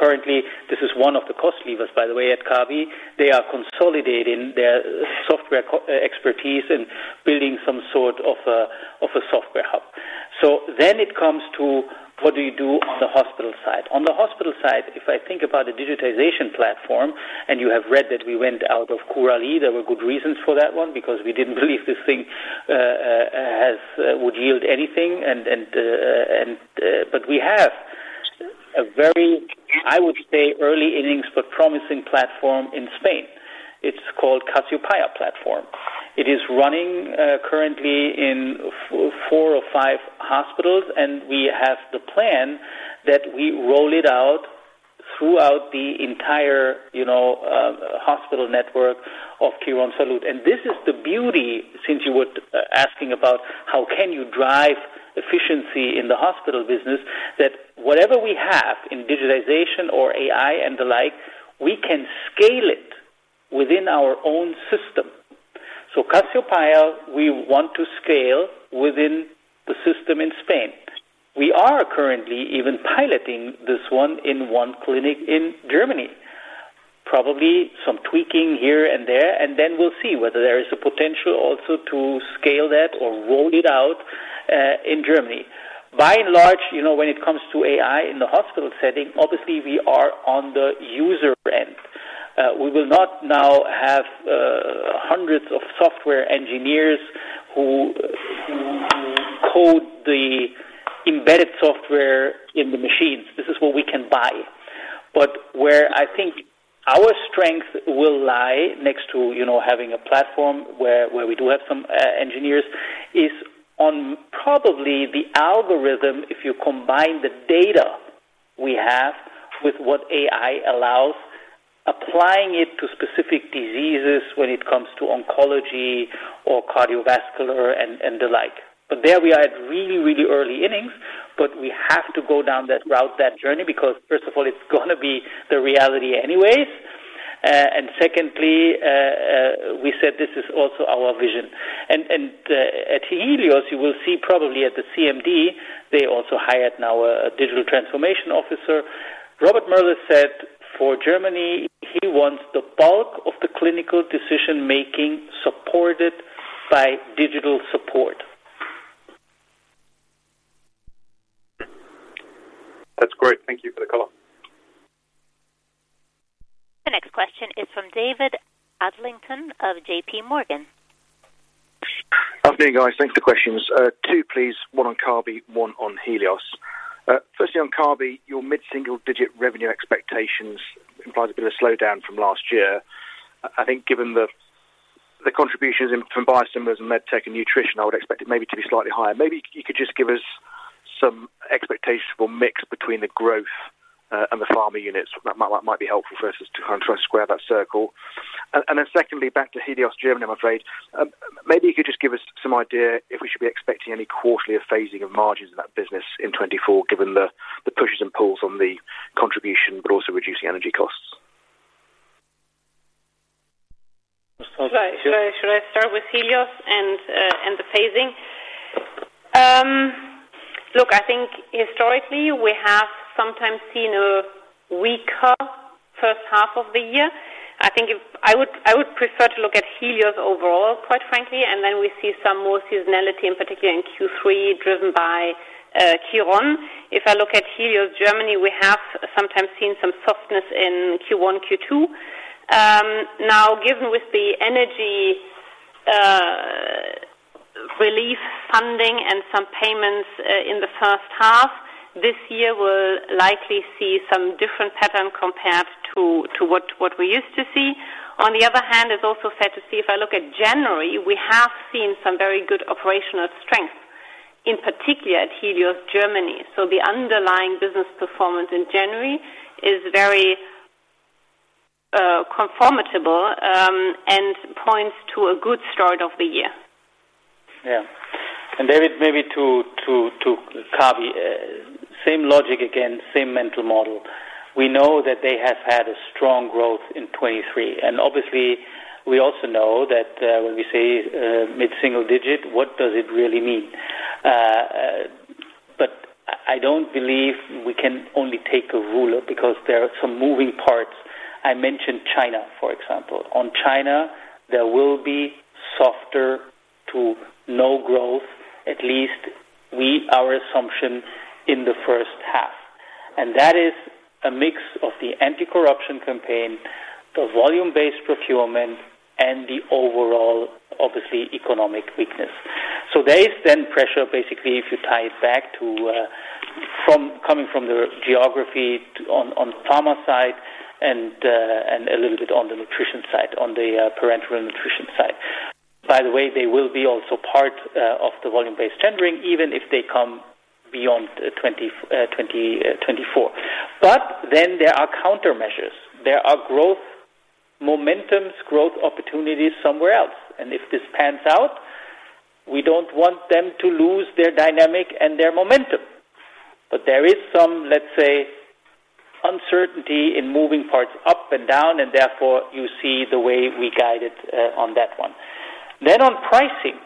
Currently, this is one of the cost levers, by the way, at Kabi. They are consolidating their software expertise and building some sort of a software hub. So then it comes to what do you do on the hospital side? On the hospital side, if I think about the digitization platform, and you have read that we went out of Curalie, there were good reasons for that one because we didn't believe this thing would yield anything. But we have a very, I would say, early innings but promising platform in Spain. It's called Casiopea Platform. It is running currently in four or five hospitals, and we have the plan that we roll it out throughout the entire hospital network of Quirónsalud. And this is the beauty, since you were asking about how can you drive efficiency in the hospital business, that whatever we have in digitization or AI and the like, we can scale it within our own system. So Casiopea, we want to scale within the system in Spain. We are currently even piloting this one in one clinic in Germany, probably some tweaking here and there. And then we'll see whether there is a potential also to scale that or roll it out in Germany. By and large, when it comes to AI in the hospital setting, obviously, we are on the user end. We will not now have hundreds of software engineers who code the embedded software in the machines. This is what we can buy. But where I think our strength will lie next to having a platform where we do have some engineers is on probably the algorithm, if you combine the data we have with what AI allows, applying it to specific diseases when it comes to oncology or cardiovascular and the like. But there we are at really, really early innings. But we have to go down that route, that journey because, first of all, it's going to be the reality anyways. And secondly, we said this is also our vision. And at Helios, you will see probably at the CMD, they also hired now a digital transformation officer. Robert Möller said for Germany, he wants the bulk of the clinical decision-making supported by digital support. That's great. Thank you for the color. The next question is from David Adlington of J.P. Morgan. Have a good evening, guys. Thanks for the questions. Two, please. One on Kabi, one on Helios. Firstly, on Kabi, your mid-single-digit revenue expectations implies a bit of a slowdown from last year. I think given the contributions from biosimilars and MedTech and nutrition, I would expect it maybe to be slightly higher. Maybe you could just give us some expectable mix between the growth and the Pharma units. That might be helpful for us to kind of try to square that circle. Then secondly, back to Helios Germany, I'm afraid, maybe you could just give us some idea if we should be expecting any quarterly phasing of margins in that business in 2024 given the pushes and pulls on the contribution but also reducing energy costs. Should I start with Helios and the phasing? Look, I think historically, we have sometimes seen a weaker first half of the year. I think I would prefer to look at Helios overall, quite frankly. And then we see some more seasonality, in particular in Q3, driven by Quirónsalud. If I look at Helios Germany, we have sometimes seen some softness in Q1, Q2. Now, given with the energy relief funding and some payments in the first half, this year will likely see some different pattern compared to what we used to see. On the other hand, it's also fair to see if I look at January, we have seen some very good operational strength, in particular at Helios Germany. So the underlying business performance in January is very comfortable and points to a good start of the year. Yeah. And David, maybe to Kabi, same logic again, same mental model. We know that they have had a strong growth in 2023. And obviously, we also know that when we say mid-single-digit, what does it really mean? But I don't believe we can only take a ruler because there are some moving parts. I mentioned China, for example. On China, there will be softer to no growth, at least our assumption in the first half. And that is a mix of the anti-corruption campaign, the volume-based procurement, and the overall, obviously, economic weakness. So there is then pressure, basically, if you tie it back to coming from the geography on the Pharma side and a little bit on the nutrition side, on the parenteral nutrition side. By the way, they will be also part of the volume-based procurement even if they come beyond 2024. But then there are countermeasures. There are growth momentums, growth opportunities somewhere else. And if this pans out, we don't want them to lose their dynamic and their momentum. But there is some, let's say, uncertainty in moving parts up and down, and therefore, you see the way we guided on that one. Then on pricing,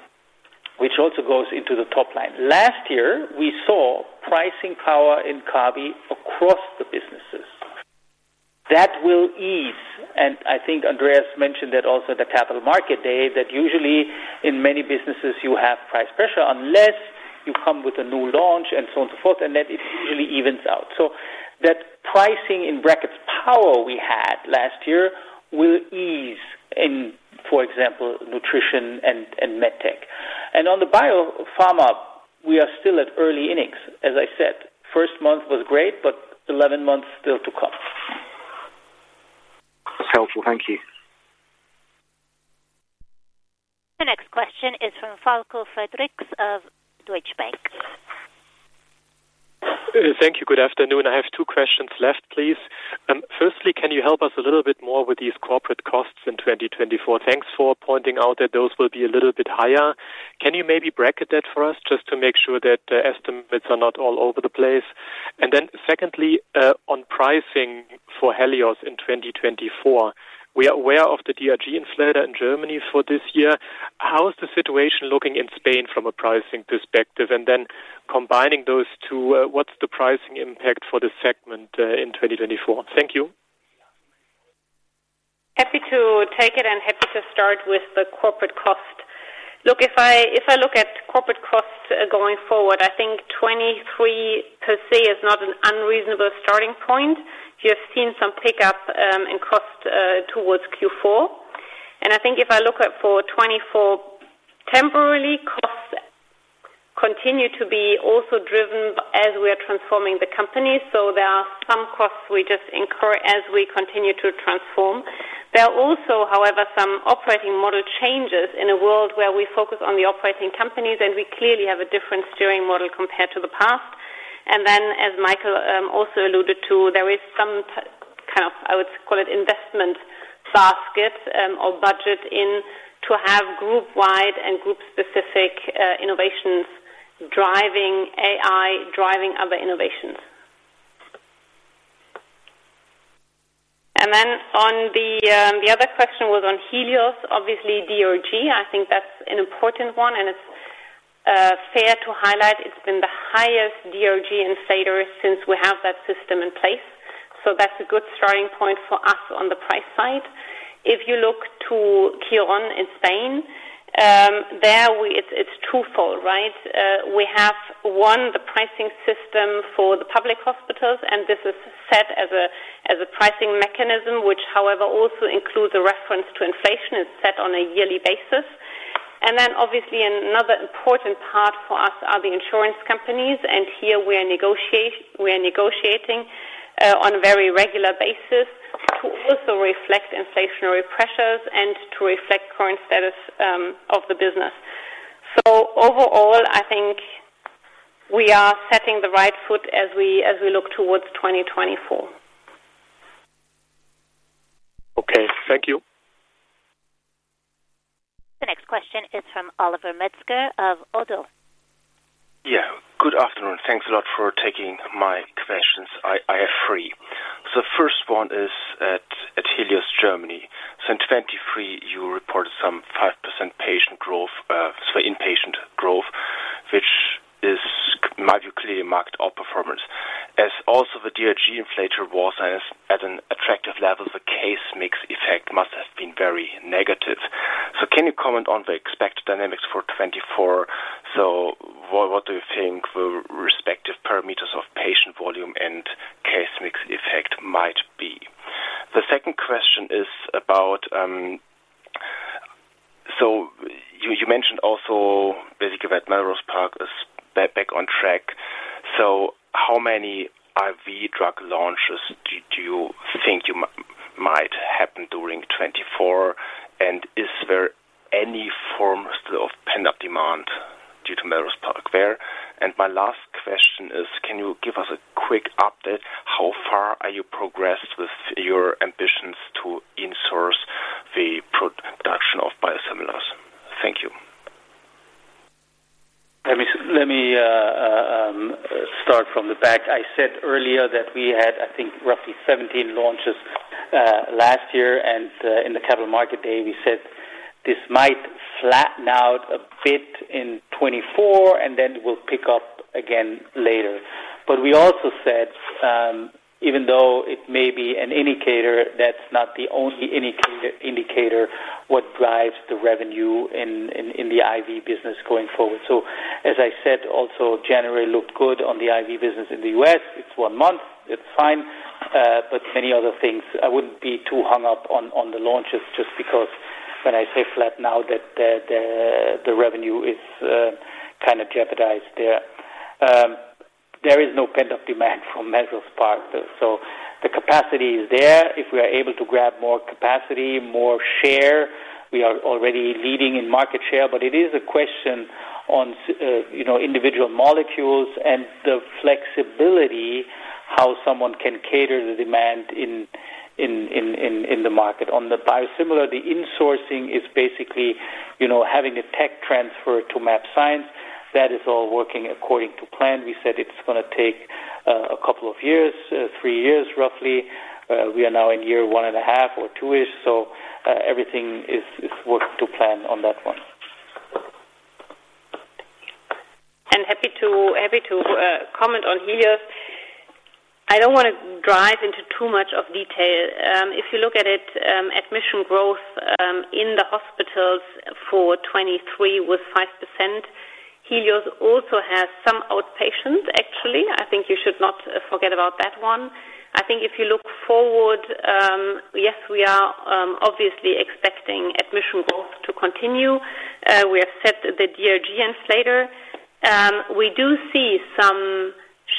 which also goes into the top line, last year, we saw pricing power in Kabi across the businesses. That will ease. And I think Andreas mentioned that also at the Capital Markets Day, that usually, in many businesses, you have price pressure unless you come with a new launch and so on and so forth, and that it usually evens out. So that pricing power we had last year will ease in, for example, Nutrition and MedTech. And on the Biopharma, we are still at early innings, as I said. First month was great, but 11 months still to come. That's helpful. Thank you. The next question is from Falko Friedrichs of Deutsche Bank. Thank you. Good afternoon. I have two questions left, please. Firstly, can you help us a little bit more with these corporate costs in 2024? Thanks for pointing out that those will be a little bit higher. Can you maybe bracket that for us just to make sure that estimates are not all over the place? And then secondly, on pricing for Helios in 2024, we are aware of the DRG Inflator in Germany for this year. How is the situation looking in Spain from a pricing perspective? And then combining those two, what's the pricing impact for the segment in 2024? Thank you. Happy to take it and happy to start with the corporate cost. Look, if I look at corporate costs going forward, I think 2023 per se is not an unreasonable starting point. You have seen some pickup in cost towards Q4. I think if I look for 2024 temporarily, costs continue to be also driven as we are transforming the company. So there are some costs we just incur as we continue to transform. There are also, however, some operating model changes in a world where we focus on the operating companies, and we clearly have a different steering model compared to the past. Then, as Michael also alluded to, there is some kind of, I would call it, investment basket or budget in to have group-wide and group-specific innovations driving AI, driving other innovations. Then the other question was on Helios, obviously, DRG. I think that's an important one, and it's fair to highlight. It's been the highest DRG inflator since we have that system in place. So that's a good starting point for us on the price side. If you look to Quirónsalud in Spain, it's twofold, right? We have, one, the pricing system for the public hospitals, and this is set as a pricing mechanism which, however, also includes a reference to inflation. It's set on a yearly basis. And then obviously, another important part for us are the insurance companies. And here, we are negotiating on a very regular basis to also reflect inflationary pressures and to reflect current status of the business. So overall, I think we are setting the right foot as we look towards 2024. Okay. Thank you. The next question is from Oliver Metzger of Oddo BHF. Yeah. Good afternoon. Thanks a lot for taking my questions. I have three. So the first one is at Helios Germany. So in 2023, you reported some 5% patient growth, sorry, inpatient growth, which is, in my view, clearly outperformance. As also the DRG Inflator was at an attractive level, the case mix effect must have been very negative. So can you comment on the expected dynamics for 2024? So what do you think the respective parameters of patient volume and case mix effect might be? The second question is about so you mentioned also, basically, that Melrose Park is back on track. So how many IV drug launches do you think might happen during 2024? And is there any form still of pent-up demand due to Melrose Park there? And my last question is, can you give us a quick update? How far are you progressed with your ambitions to insource the production of biosimilars? Thank you. Let me start from the back. I said earlier that we had, I think, roughly 17 launches last year. And in the Capital Markets Day, we said this might flatten out a bit in 2024, and then it will pick up again later. But we also said, even though it may be an indicator, that's not the only indicator what drives the revenue in the IV business going forward. So as I said, also, January looked good on the IV business in the U.S. It's one month. It's fine. But many other things. I wouldn't be too hung up on the launches just because when I say flatten out, that the revenue is kind of jeopardized there. There is no pent-up demand from Melrose Park, though. So the capacity is there. If we are able to grab more capacity, more share, we are already leading in market share. But it is a question on individual molecules and the flexibility, how someone can cater the demand in the market. On the biosimilar, the insourcing is basically having a tech transfer to mAbxience. That is all working according to plan. We said it's going to take a couple of years, three years, roughly. We are now in year one and a half or two-ish. So everything is working to plan on that one. Happy to comment on Helios. I don't want to dive into too much of detail. If you look at it, admission growth in the hospitals for 2023 was 5%. Helios also has some outpatients, actually. I think you should not forget about that one. I think if you look forward, yes, we are obviously expecting admission growth to continue. We have set the DRG Inflator. We do see some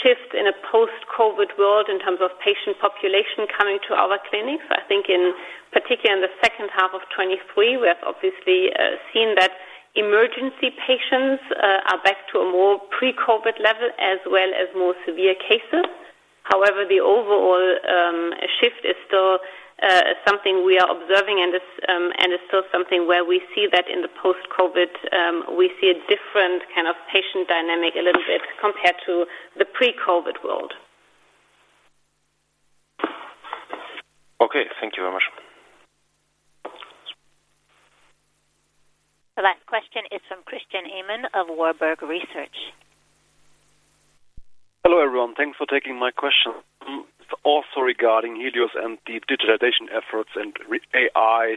shift in a post-COVID world in terms of patient population coming to our clinics. I think in particular in the second half of 2023, we have obviously seen that emergency patients are back to a more pre-COVID level as well as more severe cases. However, the overall shift is still something we are observing, and it's still something where we see that in the post-COVID, we see a different kind of patient dynamic a little bit compared to the pre-COVID world. Okay. Thank you very much. The last question is from Christian Ehmann of Warburg Research. Hello, everyone. Thanks for taking my question. Also regarding Helios and the digitization efforts and AI,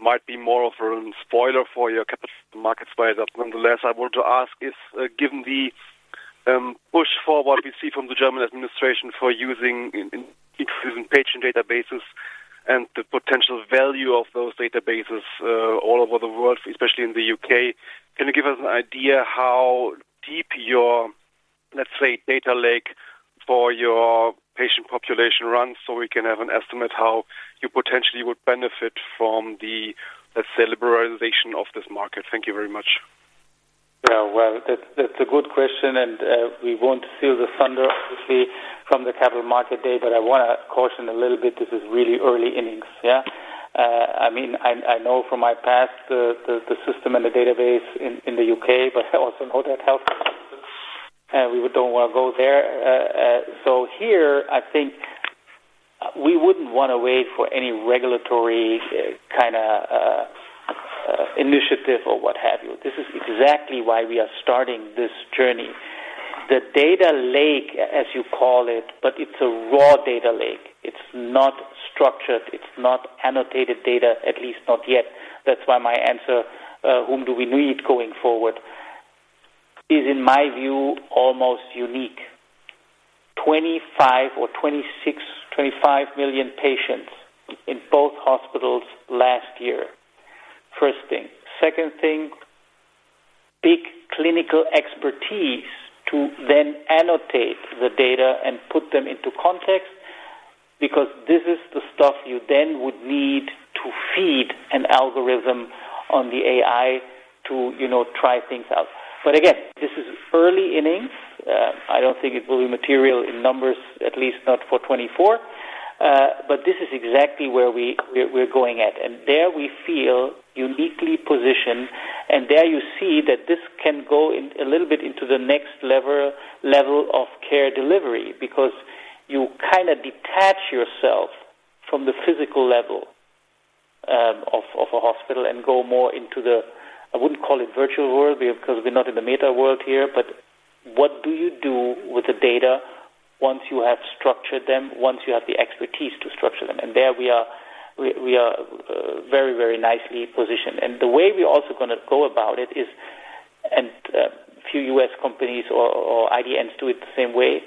might be more of a spoiler for your Capital Markets Day. But nonetheless, I wanted to ask if given the push for what we see from the German administration for using inclusive patient databases and the potential value of those databases all over the world, especially in the U.K., can you give us an idea how deep your, let's say, data lake for your patient population runs so we can have an estimate how you potentially would benefit from the, let's say, liberalization of this market? Thank you very much. Yeah. Well, that's a good question. And we won't steal the thunder, obviously, from the Capital Markets Day, but I want to caution a little bit. This is really early innings, yeah? I mean, I know from my past the system and the database in the U.K., but I also know that healthcare systems. And we don't want to go there. So here, I think we wouldn't want to wait for any regulatory kind of initiative or what have you. This is exactly why we are starting this journey. The data lake, as you call it, but it's a raw data lake. It's not structured. It's not annotated data, at least not yet. That's why my answer, whom do we need going forward, is, in my view, almost unique. 25 or 26, 25 million patients in both hospitals last year, first thing. Second thing, big clinical expertise to then annotate the data and put them into context because this is the stuff you then would need to feed an algorithm on the AI to try things out. But again, this is early innings. I don't think it will be material in numbers, at least not for 2024. But this is exactly where we're going at. And there, we feel uniquely positioned. And there, you see that this can go a little bit into the next level of care delivery because you kind of detach yourself from the physical level of a hospital and go more into the, I wouldn't call it virtual world because we're not in the meta world here. But what do you do with the data once you have structured them, once you have the expertise to structure them? And there, we are very, very nicely positioned. The way we're also going to go about it is, a few U.S. companies or IDNs do it the same way.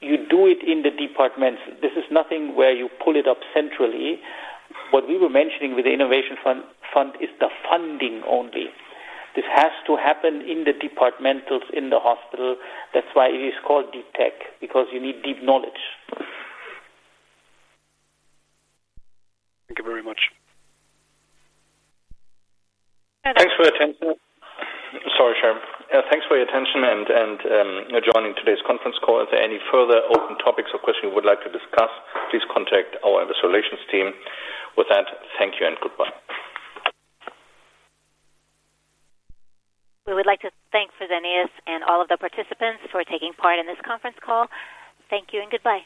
You do it in the departments. This is nothing where you pull it up centrally. What we were mentioning with the Innovation Fund is the funding only. This has to happen in the departments in the hospital. That's why it is called deep tech because you need deep knowledge. Thank you very much. Thanks for your attention. Sorry, Chair. Thanks for your attention and joining today's conference call. If there are any further open topics or questions you would like to discuss, please contact our Investor Relations team. With that, thank you and goodbye. We would like to thank Fresenius and all of the participants for taking part in this conference call. Thank you and goodbye.